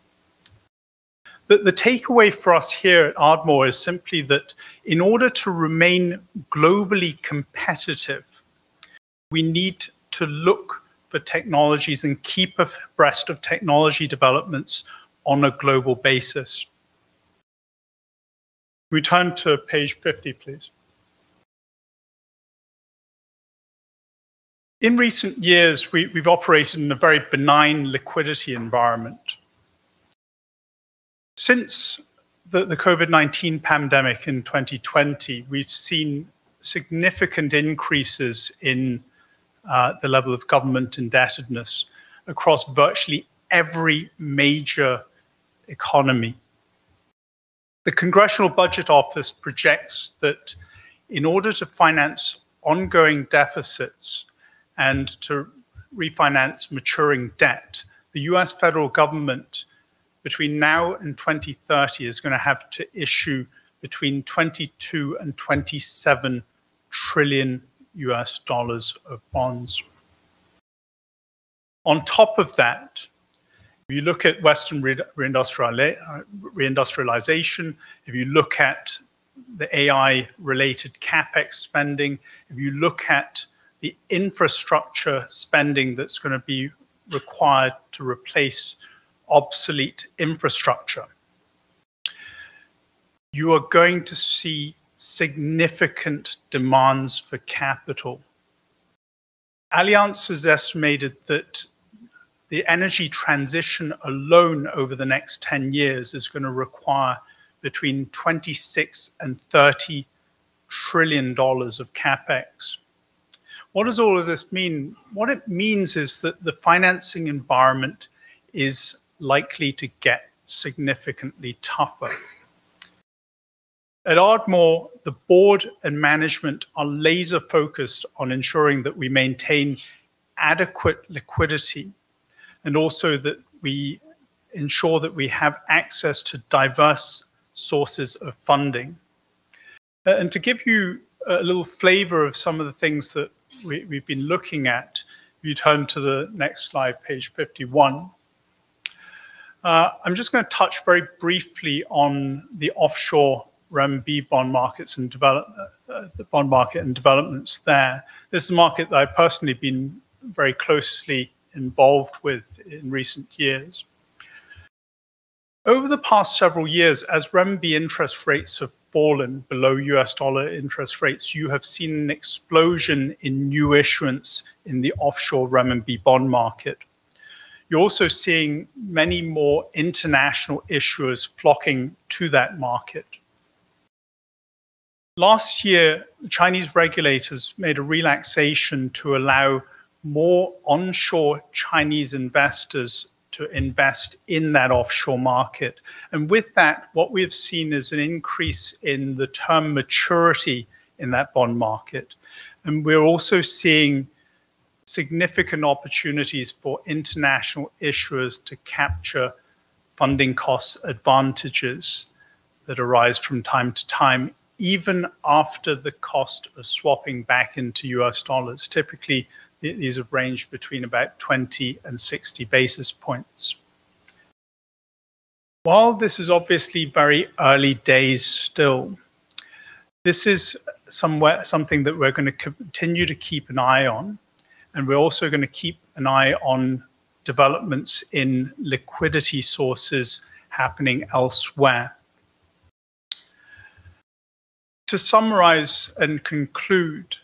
But the takeaway for us here at Ardmore is simply that in order to remain globally competitive, we need to look for technologies and keep abreast of technology developments on a global basis. Can we turn to Page 50, please? In recent years, we've operated in a very benign liquidity environment. Since the COVID-19 pandemic in 2020, we've seen significant increases in the level of government indebtedness across virtually every major economy. The Congressional Budget Office projects that in order to finance ongoing deficits and to refinance maturing debt, the U.S. federal government, between now and 2030, is gonna have to issue between $22 trillion and $27 trillion of bonds. On top of that, if you look at Western reindustrialization, if you look at the AI-related CapEx spending, if you look at the infrastructure spending that's gonna be required to replace obsolete infrastructure, you are going to see significant demands for capital. Allianz has estimated that the energy transition alone over the next 10 years is gonna require between $26 trillion and $30 trillion of CapEx. What does all of this mean? What it means is that the financing environment is likely to get significantly tougher. At Ardmore, the board and management are laser-focused on ensuring that we maintain adequate liquidity and also that we ensure that we have access to diverse sources of funding. To give you a little flavor of some of the things that we, we've been looking at, if you turn to the next slide, Page 51. I'm just gonna touch very briefly on the offshore renminbi bond markets and developments there. This is a market that I've personally been very closely involved with in recent years. Over the past several years, as renminbi interest rates have fallen below U.S. dollar interest rates, you have seen an explosion in new issuance in the offshore renminbi bond market. You're also seeing many more international issuers flocking to that market. Last year, Chinese regulators made a relaxation to allow more onshore Chinese investors to invest in that offshore market. And with that, what we have seen is an increase in the term maturity in that bond market, and we're also seeing significant opportunities for international issuers to capture funding costs advantages that arise from time to time, even after the cost of swapping back into U.S. dollars. Typically, it is a range between about 20 and 60 basis points. While this is obviously very early days still, this is something that we're gonna continue to keep an eye on, and we're also gonna keep an eye on developments in liquidity sources happening elsewhere. To summarize and conclude,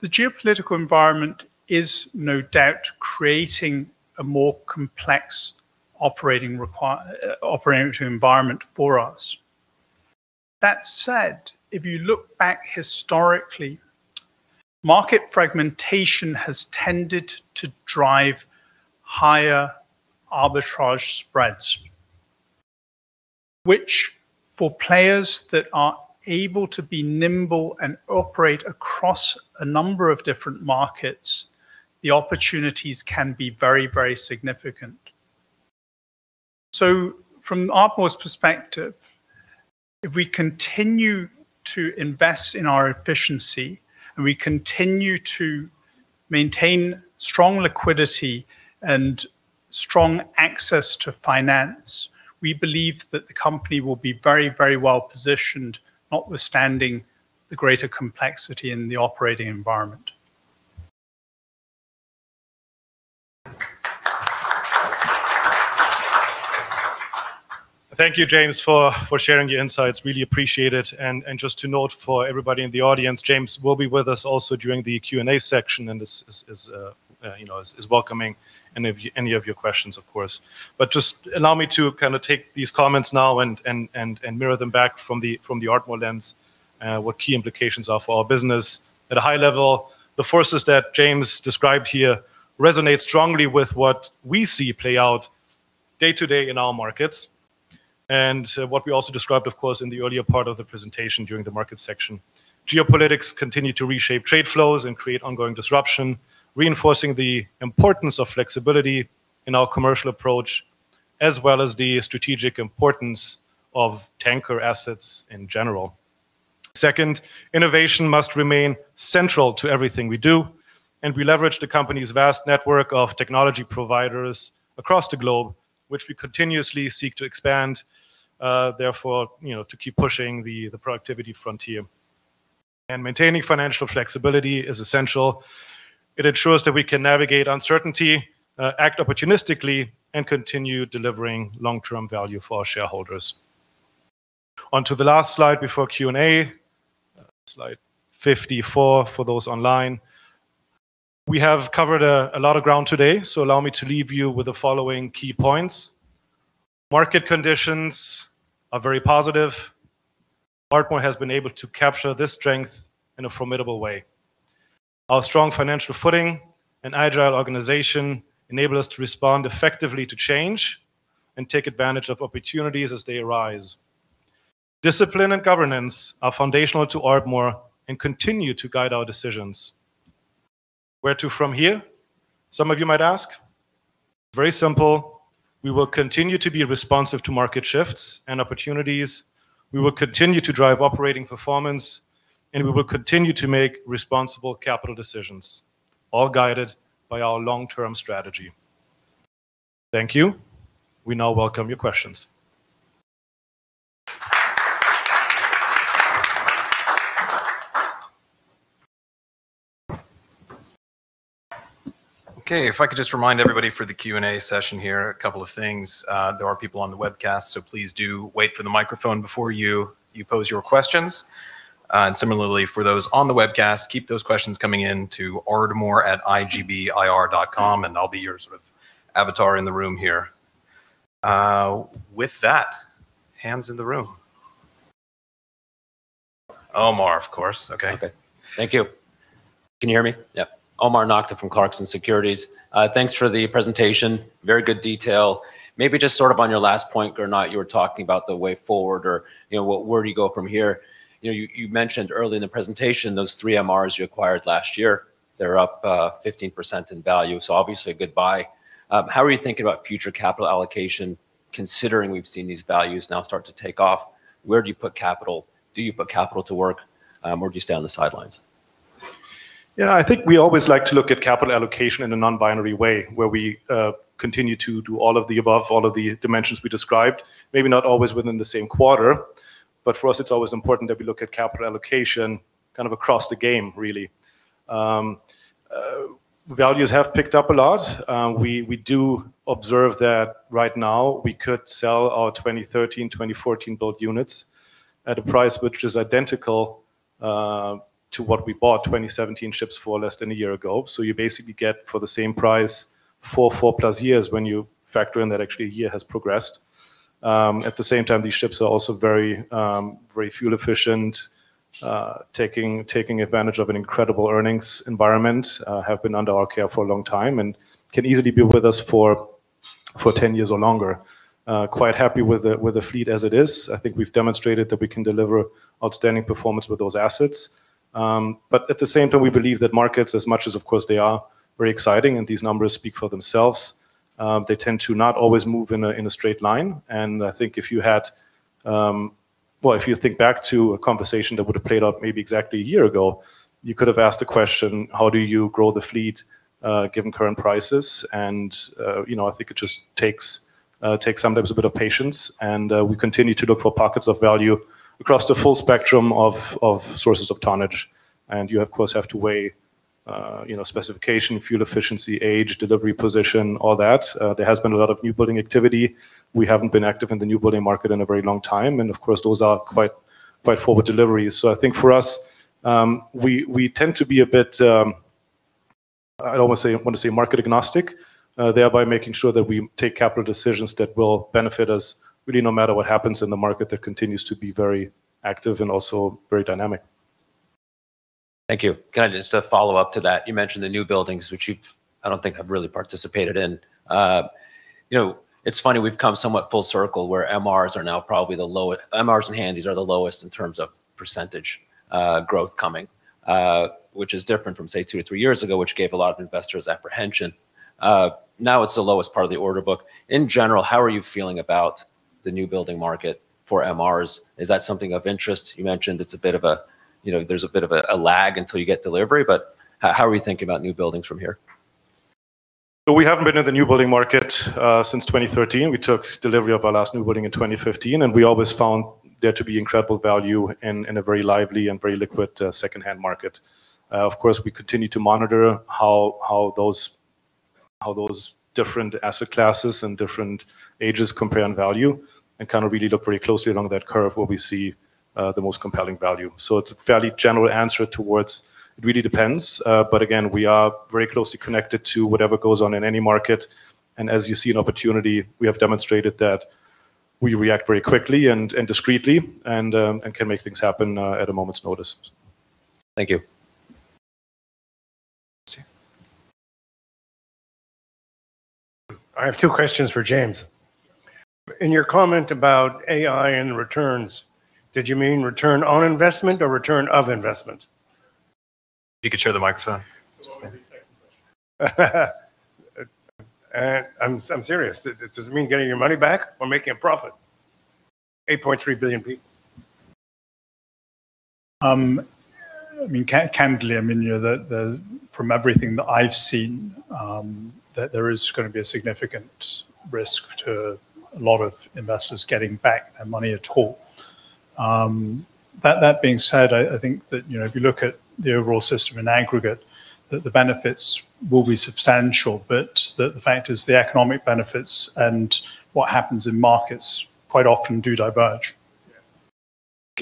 the geopolitical environment is no doubt creating a more complex operating require, operating environment for us. That said, if you look back historically, market fragmentation has tended to drive higher arbitrage spreads, which for players that are able to be nimble and operate across a number of different markets, the opportunities can be very, very significant. So from Ardmore's perspective, if we continue to invest in our efficiency and we continue to maintain strong liquidity and strong access to finance, we believe that the company will be very, very well positioned, notwithstanding the greater complexity in the operating environment. Thank you, James, for sharing your insights. Really appreciate it. And just to note, for everybody in the audience, James will be with us also during the Q&A section, and is, you know, welcoming any of your questions, of course. But just allow me to kinda take these comments now and mirror them back from the Ardmore lens, what key implications are for our business. At a high level, the forces that James described here resonate strongly with what we see play out day to day in our markets, and what we also described, of course, in the earlier part of the presentation during the market section. Geopolitics continue to reshape trade flows and create ongoing disruption, reinforcing the importance of flexibility in our commercial approach, as well as the strategic importance of tanker assets in general. Second, innovation must remain central to everything we do, and we leverage the company's vast network of technology providers across the globe, which we continuously seek to expand, therefore, you know, to keep pushing the productivity frontier. And maintaining financial flexibility is essential. It ensures that we can navigate uncertainty, act opportunistically, and continue delivering long-term value for our shareholders. Onto the last slide before Q&A, Slide 54 for those online. We have covered a lot of ground today, so allow me to leave you with the following key points. Market conditions are very positive. Ardmore has been able to capture this strength in a formidable way. Our strong financial footing and agile organization enable us to respond effectively to change and take advantage of opportunities as they arise. Discipline and governance are foundational to Ardmore and continue to guide our decisions. Where to from here? Some of you might ask. Very simple: We will continue to be responsive to market shifts and opportunities, we will continue to drive operating performance, and we will continue to make responsible capital decisions, all guided by our long-term strategy. Thank you. We now welcome your questions. Okay, if I could just remind everybody for the Q&A session here, a couple of things. There are people on the webcast, so please do wait for the microphone before you pose your questions. And similarly, for those on the webcast, keep those questions coming in to ardmore@igbir.com, and I'll be your sort of avatar in the room here. With that, hands in the room. Omar, of course. Okay. Okay. Thank you. Can you hear me? Yeah. Omar Nokta from Clarksons Securities. Thanks for the presentation. Very good detail. Maybe just sort of on your last point, Gernot, you were talking about the way forward or, you know, where do you go from here? You know, you, you mentioned early in the presentation, those three MRs you acquired last year, they're up 15% in value, so obviously a good buy. How are you thinking about future capital allocation, considering we've seen these values now start to take off? Where do you put capital? Do you put capital to work, or do you stay on the sidelines? Yeah, I think we always like to look at capital allocation in a non-binary way, where we continue to do all of the above, all of the dimensions we described. Maybe not always within the same quarter, but for us, it's always important that we look at capital allocation kind of across the game, really. Values have picked up a lot. We do observe that right now we could sell our 2013, 2014 build units at a price which is identical to what we bought 2017 ships for less than a year ago. So you basically get, for the same price, 4, 4+ years when you factor in that actually a year has progressed. At the same time, these ships are also very, very fuel efficient, taking advantage of an incredible earnings environment, have been under our care for a long time, and can easily be with us for 10 years or longer. Quite happy with the fleet as it is. I think we've demonstrated that we can deliver outstanding performance with those assets. But at the same time, we believe that markets, as much as, of course, they are very exciting and these numbers speak for themselves, they tend to not always move in a straight line. I think if you had... Well, if you think back to a conversation that would have played out maybe exactly one year ago, you could have asked the question: How do you grow the fleet, given current prices? You know, I think it just takes sometimes a bit of patience, and we continue to look for pockets of value across the full spectrum of sources of tonnage. And you, of course, have to weigh, you know, specification, fuel efficiency, age, delivery, position, all that. There has been a lot of newbuilding activity. We haven't been active in the newbuilding market in a very long time, and of course, those are quite forward deliveries. So I think for us, we tend to be a bit, I almost want to say market agnostic, thereby making sure that we take capital decisions that will benefit us really, no matter what happens in the market, that continues to be very active and also very dynamic. Thank you. Can I just a follow-up to that? You mentioned the newbuildings, which you've, I don't think have really participated in. You know, it's funny, we've come somewhat full circle where MRs are now probably the lowest... MRs and Handys are the lowest in terms of percentage growth coming, which is different from, say, two to three years ago, which gave a lot of investors apprehension. Now it's the lowest part of the order book. In general, how are you feeling about the newbuilding market for MRs? Is that something of interest? You mentioned it's a bit of a, you know, there's a bit of a lag until you get delivery, but how are we thinking newbuildings from here? So we haven't been in newbuilding market since 2013. We took delivery of our newbuilding in 2015, and we always found there to be incredible value in a very lively and very liquid second-hand market. Of course, we continue to monitor how those different asset classes and different ages compare on value, and kind of really look pretty closely along that curve where we see the most compelling value. So it's a fairly general answer towards it really depends. But again, we are very closely connected to whatever goes on in any market, and as you see an opportunity, we have demonstrated that we react very quickly and discreetly, and can make things happen at a moment's notice. Thank you. I have two questions for James. In your comment about AI and returns, did you mean return on investment or return of investment? You could share the microphone. I'm serious. Does it mean getting your money back or making a profit? 8.3 billion people. I mean, candidly, I mean, you know, from everything that I've seen, that there is gonna be a significant risk to a lot of investors getting back their money at all. That being said, I think that, you know, if you look at the overall system in aggregate, that the benefits will be substantial, but the fact is the economic benefits and what happens in markets quite often do diverge.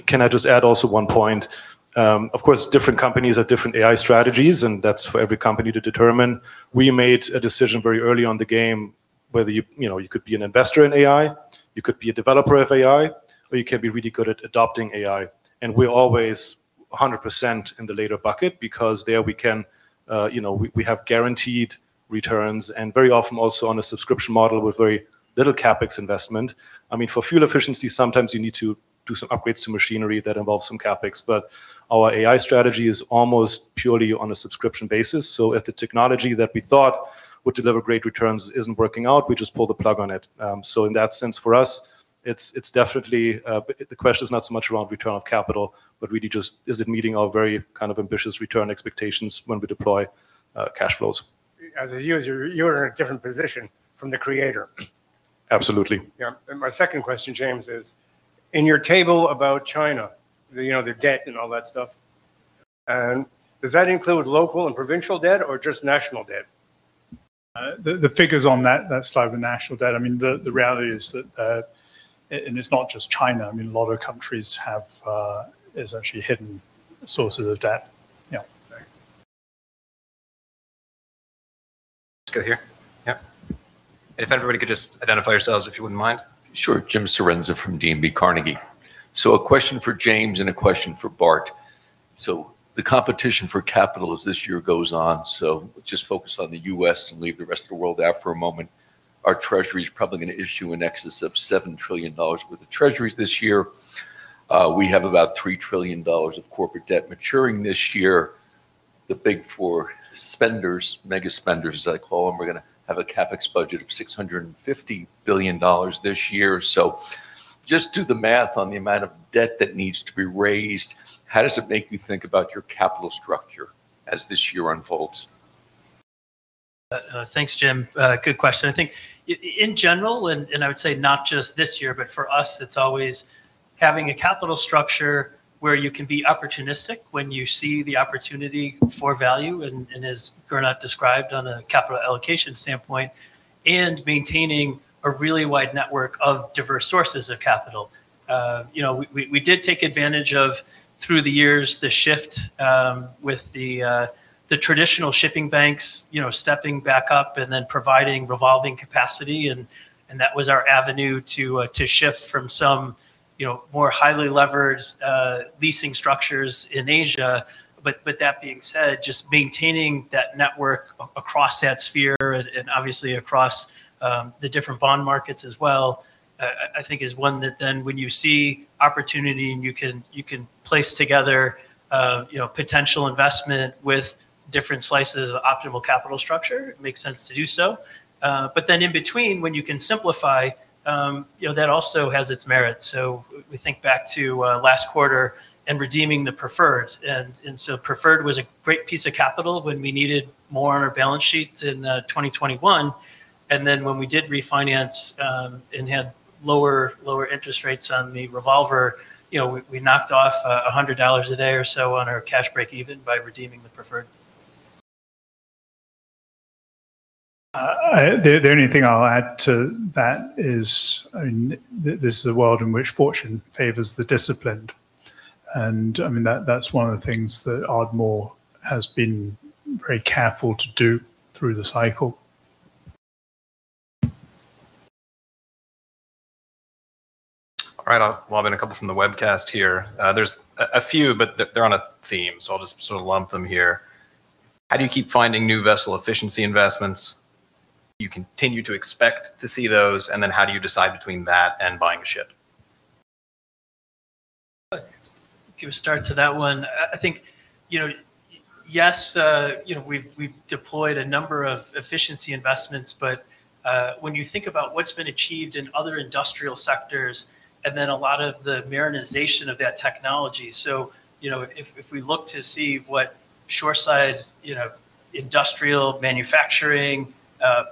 Can I just add also one point? Of course, different companies have different AI strategies, and that's for every company to determine. We made a decision very early on in the game, whether you, you know, you could be an investor in AI, you could be a developer of AI, or you could be really good at adopting AI. And we're always 100% in the latter bucket because there we can, you know, we, we have guaranteed returns, and very often also on a subscription model with very little CapEx investment. I mean, for fuel efficiency, sometimes you need to do some upgrades to machinery that involves some CapEx, but our AI strategy is almost purely on a subscription basis. So if the technology that we thought would deliver great returns isn't working out, we just pull the plug on it. So, in that sense, for us, it's definitely the question is not so much around return on capital, but really just is it meeting our very kind of ambitious return expectations when we deploy cash flows? As a user, you're in a different position from the creator. Absolutely. Yeah. And my second question, James, is: In your table about China, you know, the debt and all that stuff, and does that include local and provincial debt or just national debt? The figures on that slide, the national debt, I mean, the reality is that, and it's not just China, I mean, a lot of countries have is actually hidden sources of debt. Yeah. Let's go here. Yeah. If everybody could just identify yourselves, if you wouldn't mind? Sure. Jim Cirenza from DNB Carnegie. A question for James and a question for Bart. The competition for capital as this year goes on, so let's just focus on the U.S. and leave the rest of the world out for a moment. Our Treasury is probably gonna issue in excess of $7 trillion worth of treasuries this year. We have about $3 trillion of corporate debt maturing this year. The Big Four spenders, mega spenders, as I call them, are gonna have a CapEx budget of $650 billion this year. Just do the math on the amount of debt that needs to be raised. How does it make you think about your capital structure as this year unfolds? Thanks, Jim. Good question. I think in general, and I would say not just this year, but for us, it's always having a capital structure where you can be opportunistic when you see the opportunity for value, and as Gernot described on a capital allocation standpoint, and maintaining a really wide network of diverse sources of capital. You know, we did take advantage of, through the years, the shift with the traditional shipping banks, you know, stepping back up and then providing revolving capacity, and that was our avenue to shift from some more highly leveraged leasing structures in Asia. But with that being said, just maintaining that network across that sphere and obviously across the different bond markets as well, I think is one that then when you see opportunity and you can place together, you know, potential investment with different slices of optimal capital structure, it makes sense to do so. But then in between, when you can simplify, you know, that also has its merit. So we think back to last quarter and redeeming the preferred, and so preferred was a great piece of capital when we needed more on our balance sheet in 2021. And then when we did refinance, and had lower, lower interest rates on the revolver, you know, we knocked off $100 a day or so on our cash breakeven by redeeming the preferred. The only thing I'll add to that is, I mean, this is a world in which fortune favors the disciplined. And, I mean, that's one of the things that Ardmore has been very careful to do through the cycle. All right, I'll lob in a couple from the webcast here. There's a few, but they're on a theme, so I'll just sort of lump them here. How do you keep finding new vessel efficiency investments? Do you continue to expect to see those, and then how do you decide between that and buying a ship? Give a start to that one. I think, you know, yes, you know, we've deployed a number of efficiency investments, but when you think about what's been achieved in other industrial sectors and then a lot of the marinization of that technology, so, you know, if we look to see what shoreside, you know, industrial manufacturing,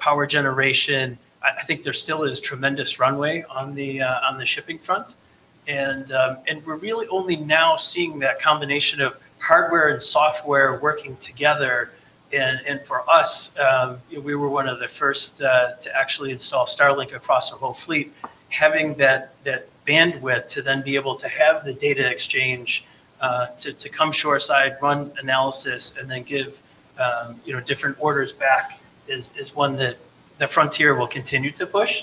power generation, I think there still is tremendous runway on the shipping front. We're really only now seeing that combination of hardware and software working together. For us, we were one of the first to actually install Starlink across our whole fleet. Having that bandwidth to then be able to have the data exchange to come shoreside, run analysis, and then give you know different orders back is one that the frontier will continue to push.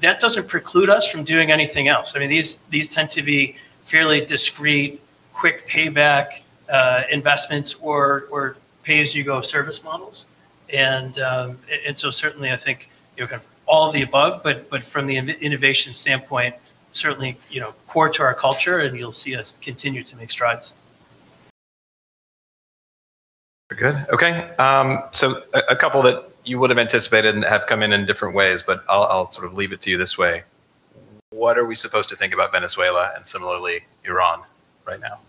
That doesn't preclude us from doing anything else. I mean, these tend to be fairly discrete, quick payback investments or pay-as-you-go service models. And so certainly I think you know kind of all of the above, but from the innovation standpoint, certainly you know core to our culture, and you'll see us continue to make strides. Good. Okay, so a couple that you would have anticipated and have come in in different ways, but I'll sort of leave it to you this way: What are we supposed to think about Venezuela and similarly, Iran right now?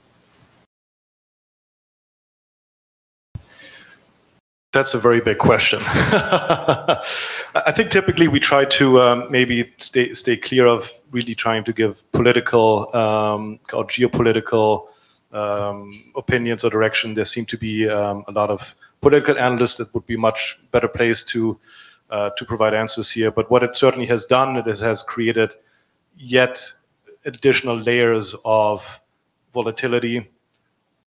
That's a very big question. I think typically we try to maybe stay clear of really trying to give political or geopolitical opinions or direction. There seem to be a lot of political analysts that would be much better placed to provide answers here. But what it certainly has done, it has created yet additional layers of volatility,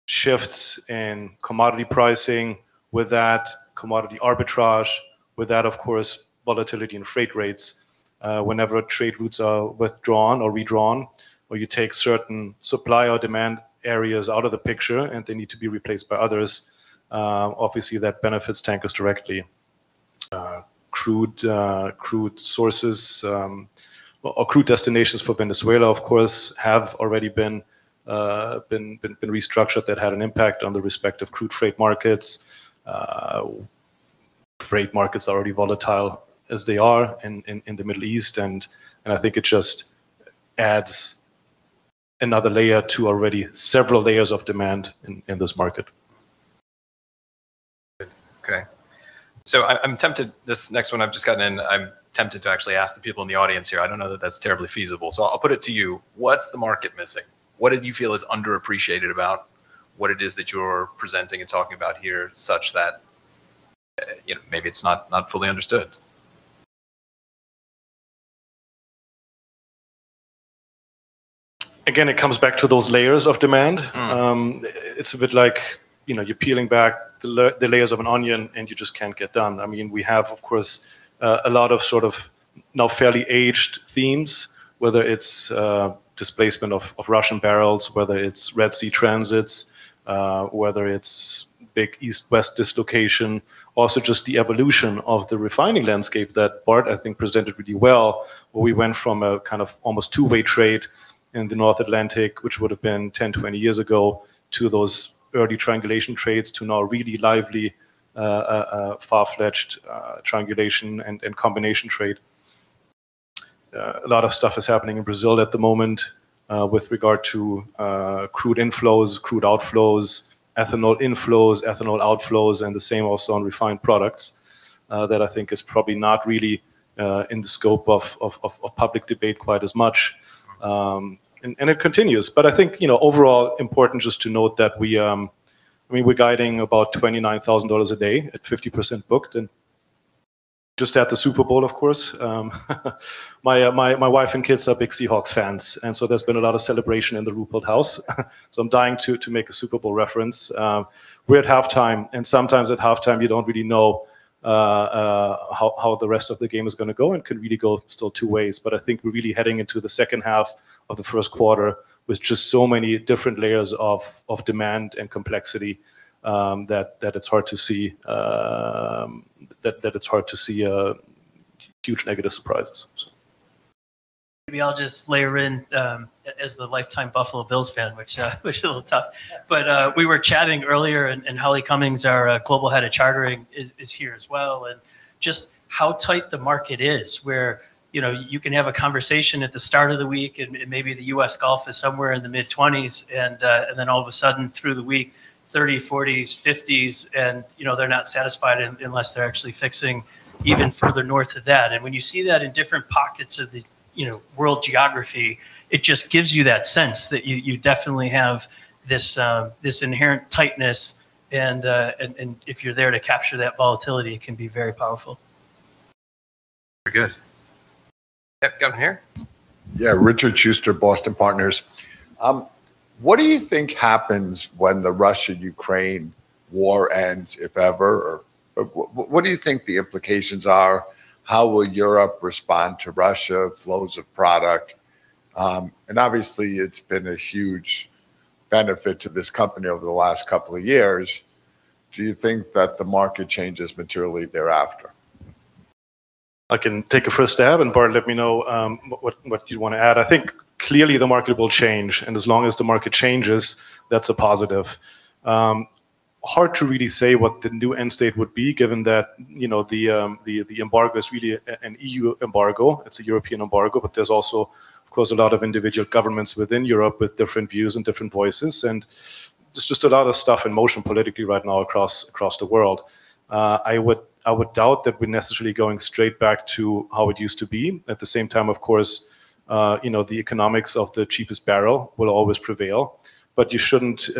shifts in commodity pricing, with that, commodity arbitrage, with that, of course, volatility in freight rates. Whenever trade routes are withdrawn or redrawn, or you take certain supply or demand areas out of the picture and they need to be replaced by others, obviously, that benefits tankers directly. Crude sources or crude destinations for Venezuela, of course, have already been restructured. That had an impact on the respective crude freight markets. Freight markets are already volatile as they are in the Middle East, and I think it just adds another layer to already several layers of demand in this market. Good. Okay, so I'm tempted. This next one I've just gotten in. I'm tempted to actually ask the people in the audience here. I don't know that that's terribly feasible, so I'll put it to you. What's the market missing? What did you feel is underappreciated about what it is that you're presenting and talking about here, such that, you know, maybe it's not, not fully understood? Again, it comes back to those layers of demand. Mm. It's a bit like, you know, you're peeling back the layers of an onion, and you just can't get done. I mean, we have, of course, a lot of sort of now fairly aged themes, whether it's displacement of Russian barrels, whether it's Red Sea transits, whether it's big east-west dislocation. Also, just the evolution of the refining landscape that Bart, I think, presented really well, where we went from a kind of almost two-way trade in the North Atlantic, which would have been 10, 20 years ago, to those early triangulation trades, to now really lively far-fetched triangulation and combination trade. A lot of stuff is happening in Brazil at the moment. With regard to crude inflows, crude outflows, ethanol inflows, ethanol outflows, and the same also on refined products, that I think is probably not really in the scope of public debate quite as much. And it continues. But I think, you know, overall important just to note that we... I mean, we're guiding about $29,000 a day at 50% booked, and just at the Super Bowl, of course. My wife and kids are big Seahawks fans, and so there's been a lot of celebration in the Ruppelt house. So I'm dying to make a Super Bowl reference. We're at halftime, and sometimes at halftime you don't really know how the rest of the game is gonna go, and could really go still two ways. But I think we're really heading into the second half of the first quarter with just so many different layers of demand and complexity that it's hard to see huge negative surprises. Maybe I'll just layer in, as the lifetime Buffalo Bills fan, which is a little tough. But we were chatting earlier, and Holly Cummings, our Global Head of Chartering, is here as well, and just how tight the market is, where, you know, you can have a conversation at the start of the week and maybe the U.S. Gulf is somewhere in the mid-$20s, and then all of a sudden, through the week, $30s, $40s, $50s, and, you know, they're not satisfied unless they're actually fixing even further north of that. And when you see that in different pockets of the world geography, it just gives you that sense that you definitely have this inherent tightness, and if you're there to capture that volatility, it can be very powerful. Very good. Yep, go ahead here. Yeah, Richard Shuster, Boston Partners. What do you think happens when the Russia-Ukraine war ends, if ever? Or, what do you think the implications are? How will Europe respond to Russia, flows of product? And obviously, it's been a huge benefit to this company over the last couple of years. Do you think that the market changes materially thereafter? I can take a first stab, and Bart, let me know what you'd want to add. I think clearly the market will change, and as long as the market changes, that's a positive. Hard to really say what the new end state would be, given that, you know, the embargo is really a, an EU embargo. It's a European embargo, but there's also, of course, a lot of individual governments within Europe with different views and different voices, and there's just a lot of stuff in motion politically right now across the world. I would doubt that we're necessarily going straight back to how it used to be. At the same time, of course, you know, the economics of the cheapest barrel will always prevail. But you shouldn't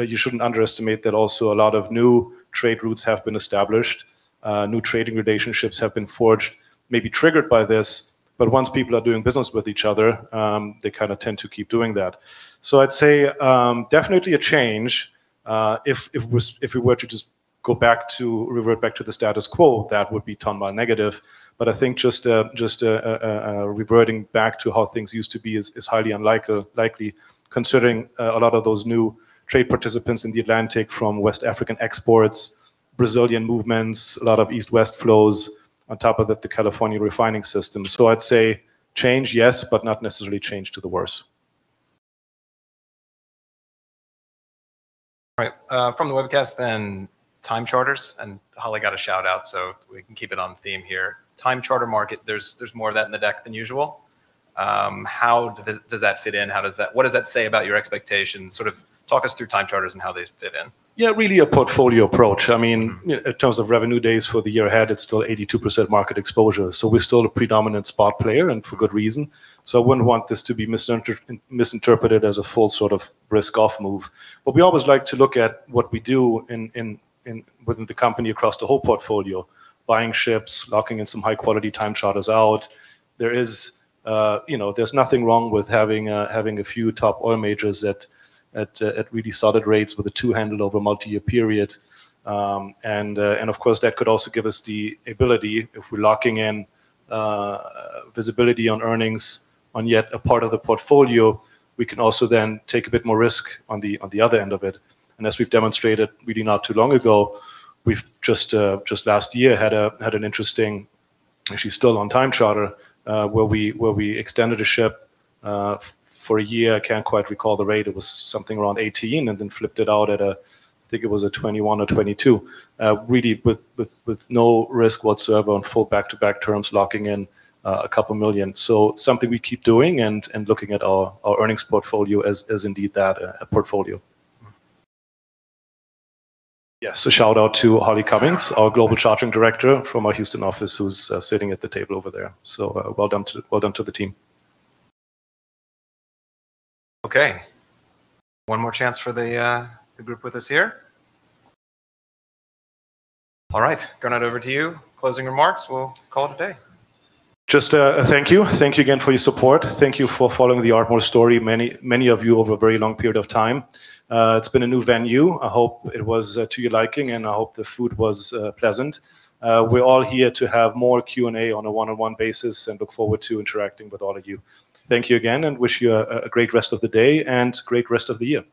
underestimate that also. A lot of new trade routes have been established, new trading relationships have been forged, maybe triggered by this, but once people are doing business with each other, they kind of tend to keep doing that. So I'd say definitely a change. If we were to just go back to, revert back to the status quo, that would be ton-mile negative. But I think just reverting back to how things used to be is highly unlikely, considering a lot of those new trade participants in the Atlantic from West African exports, Brazilian movements, a lot of East-West flows, on top of the California refining system. So I'd say change, yes, but not necessarily change to the worse. Right. From the webcast, then, time charters, and Holly got a shout-out, so we can keep it on theme here. Time charter market, there's more of that in the deck than usual. How does that fit in? How does that... What does that say about your expectations? Sort of talk us through time charters and how they fit in. Yeah, really a portfolio approach. I mean, in terms of revenue days for the year ahead, it's still 82% market exposure, so we're still a predominant spot player, and for good reason. So I wouldn't want this to be misinterpreted as a full sort of risk-off move. But we always like to look at what we do within the company across the whole portfolio: buying ships, locking in some high-quality time charters out. There is, you know, there's nothing wrong with having a few top oil majors at really solid rates with a two-handle over multi-year period. Of course, that could also give us the ability, if we're locking in visibility on earnings on yet a part of the portfolio, we can also then take a bit more risk on the other end of it. And as we've demonstrated, really not too long ago, we've just last year had an interesting, actually still on time charter, where we extended a ship for a year. I can't quite recall the rate. It was something around 18, and then flipped it out at a, I think it was a 21 or 22. Really with no risk whatsoever on full back-to-back terms, locking in $2 million. So something we keep doing and looking at our earnings portfolio as indeed that a portfolio. Yes, so shout-out to Holly Cummings, our Global Chartering Director from our Houston office, who's sitting at the table over there. So, well done to, well done to the team. Okay. One more chance for the group with us here. All right. Gernot, over to you. Closing remarks, we'll call it a day. Just a thank you. Thank you again for your support. Thank you for following the Ardmore story, many, many of you over a very long period of time. It's been a new venue. I hope it was to your liking, and I hope the food was pleasant. We're all here to have more Q&A on a one-on-one basis and look forward to interacting with all of you. Thank you again, and wish you a great rest of the day and great rest of the year.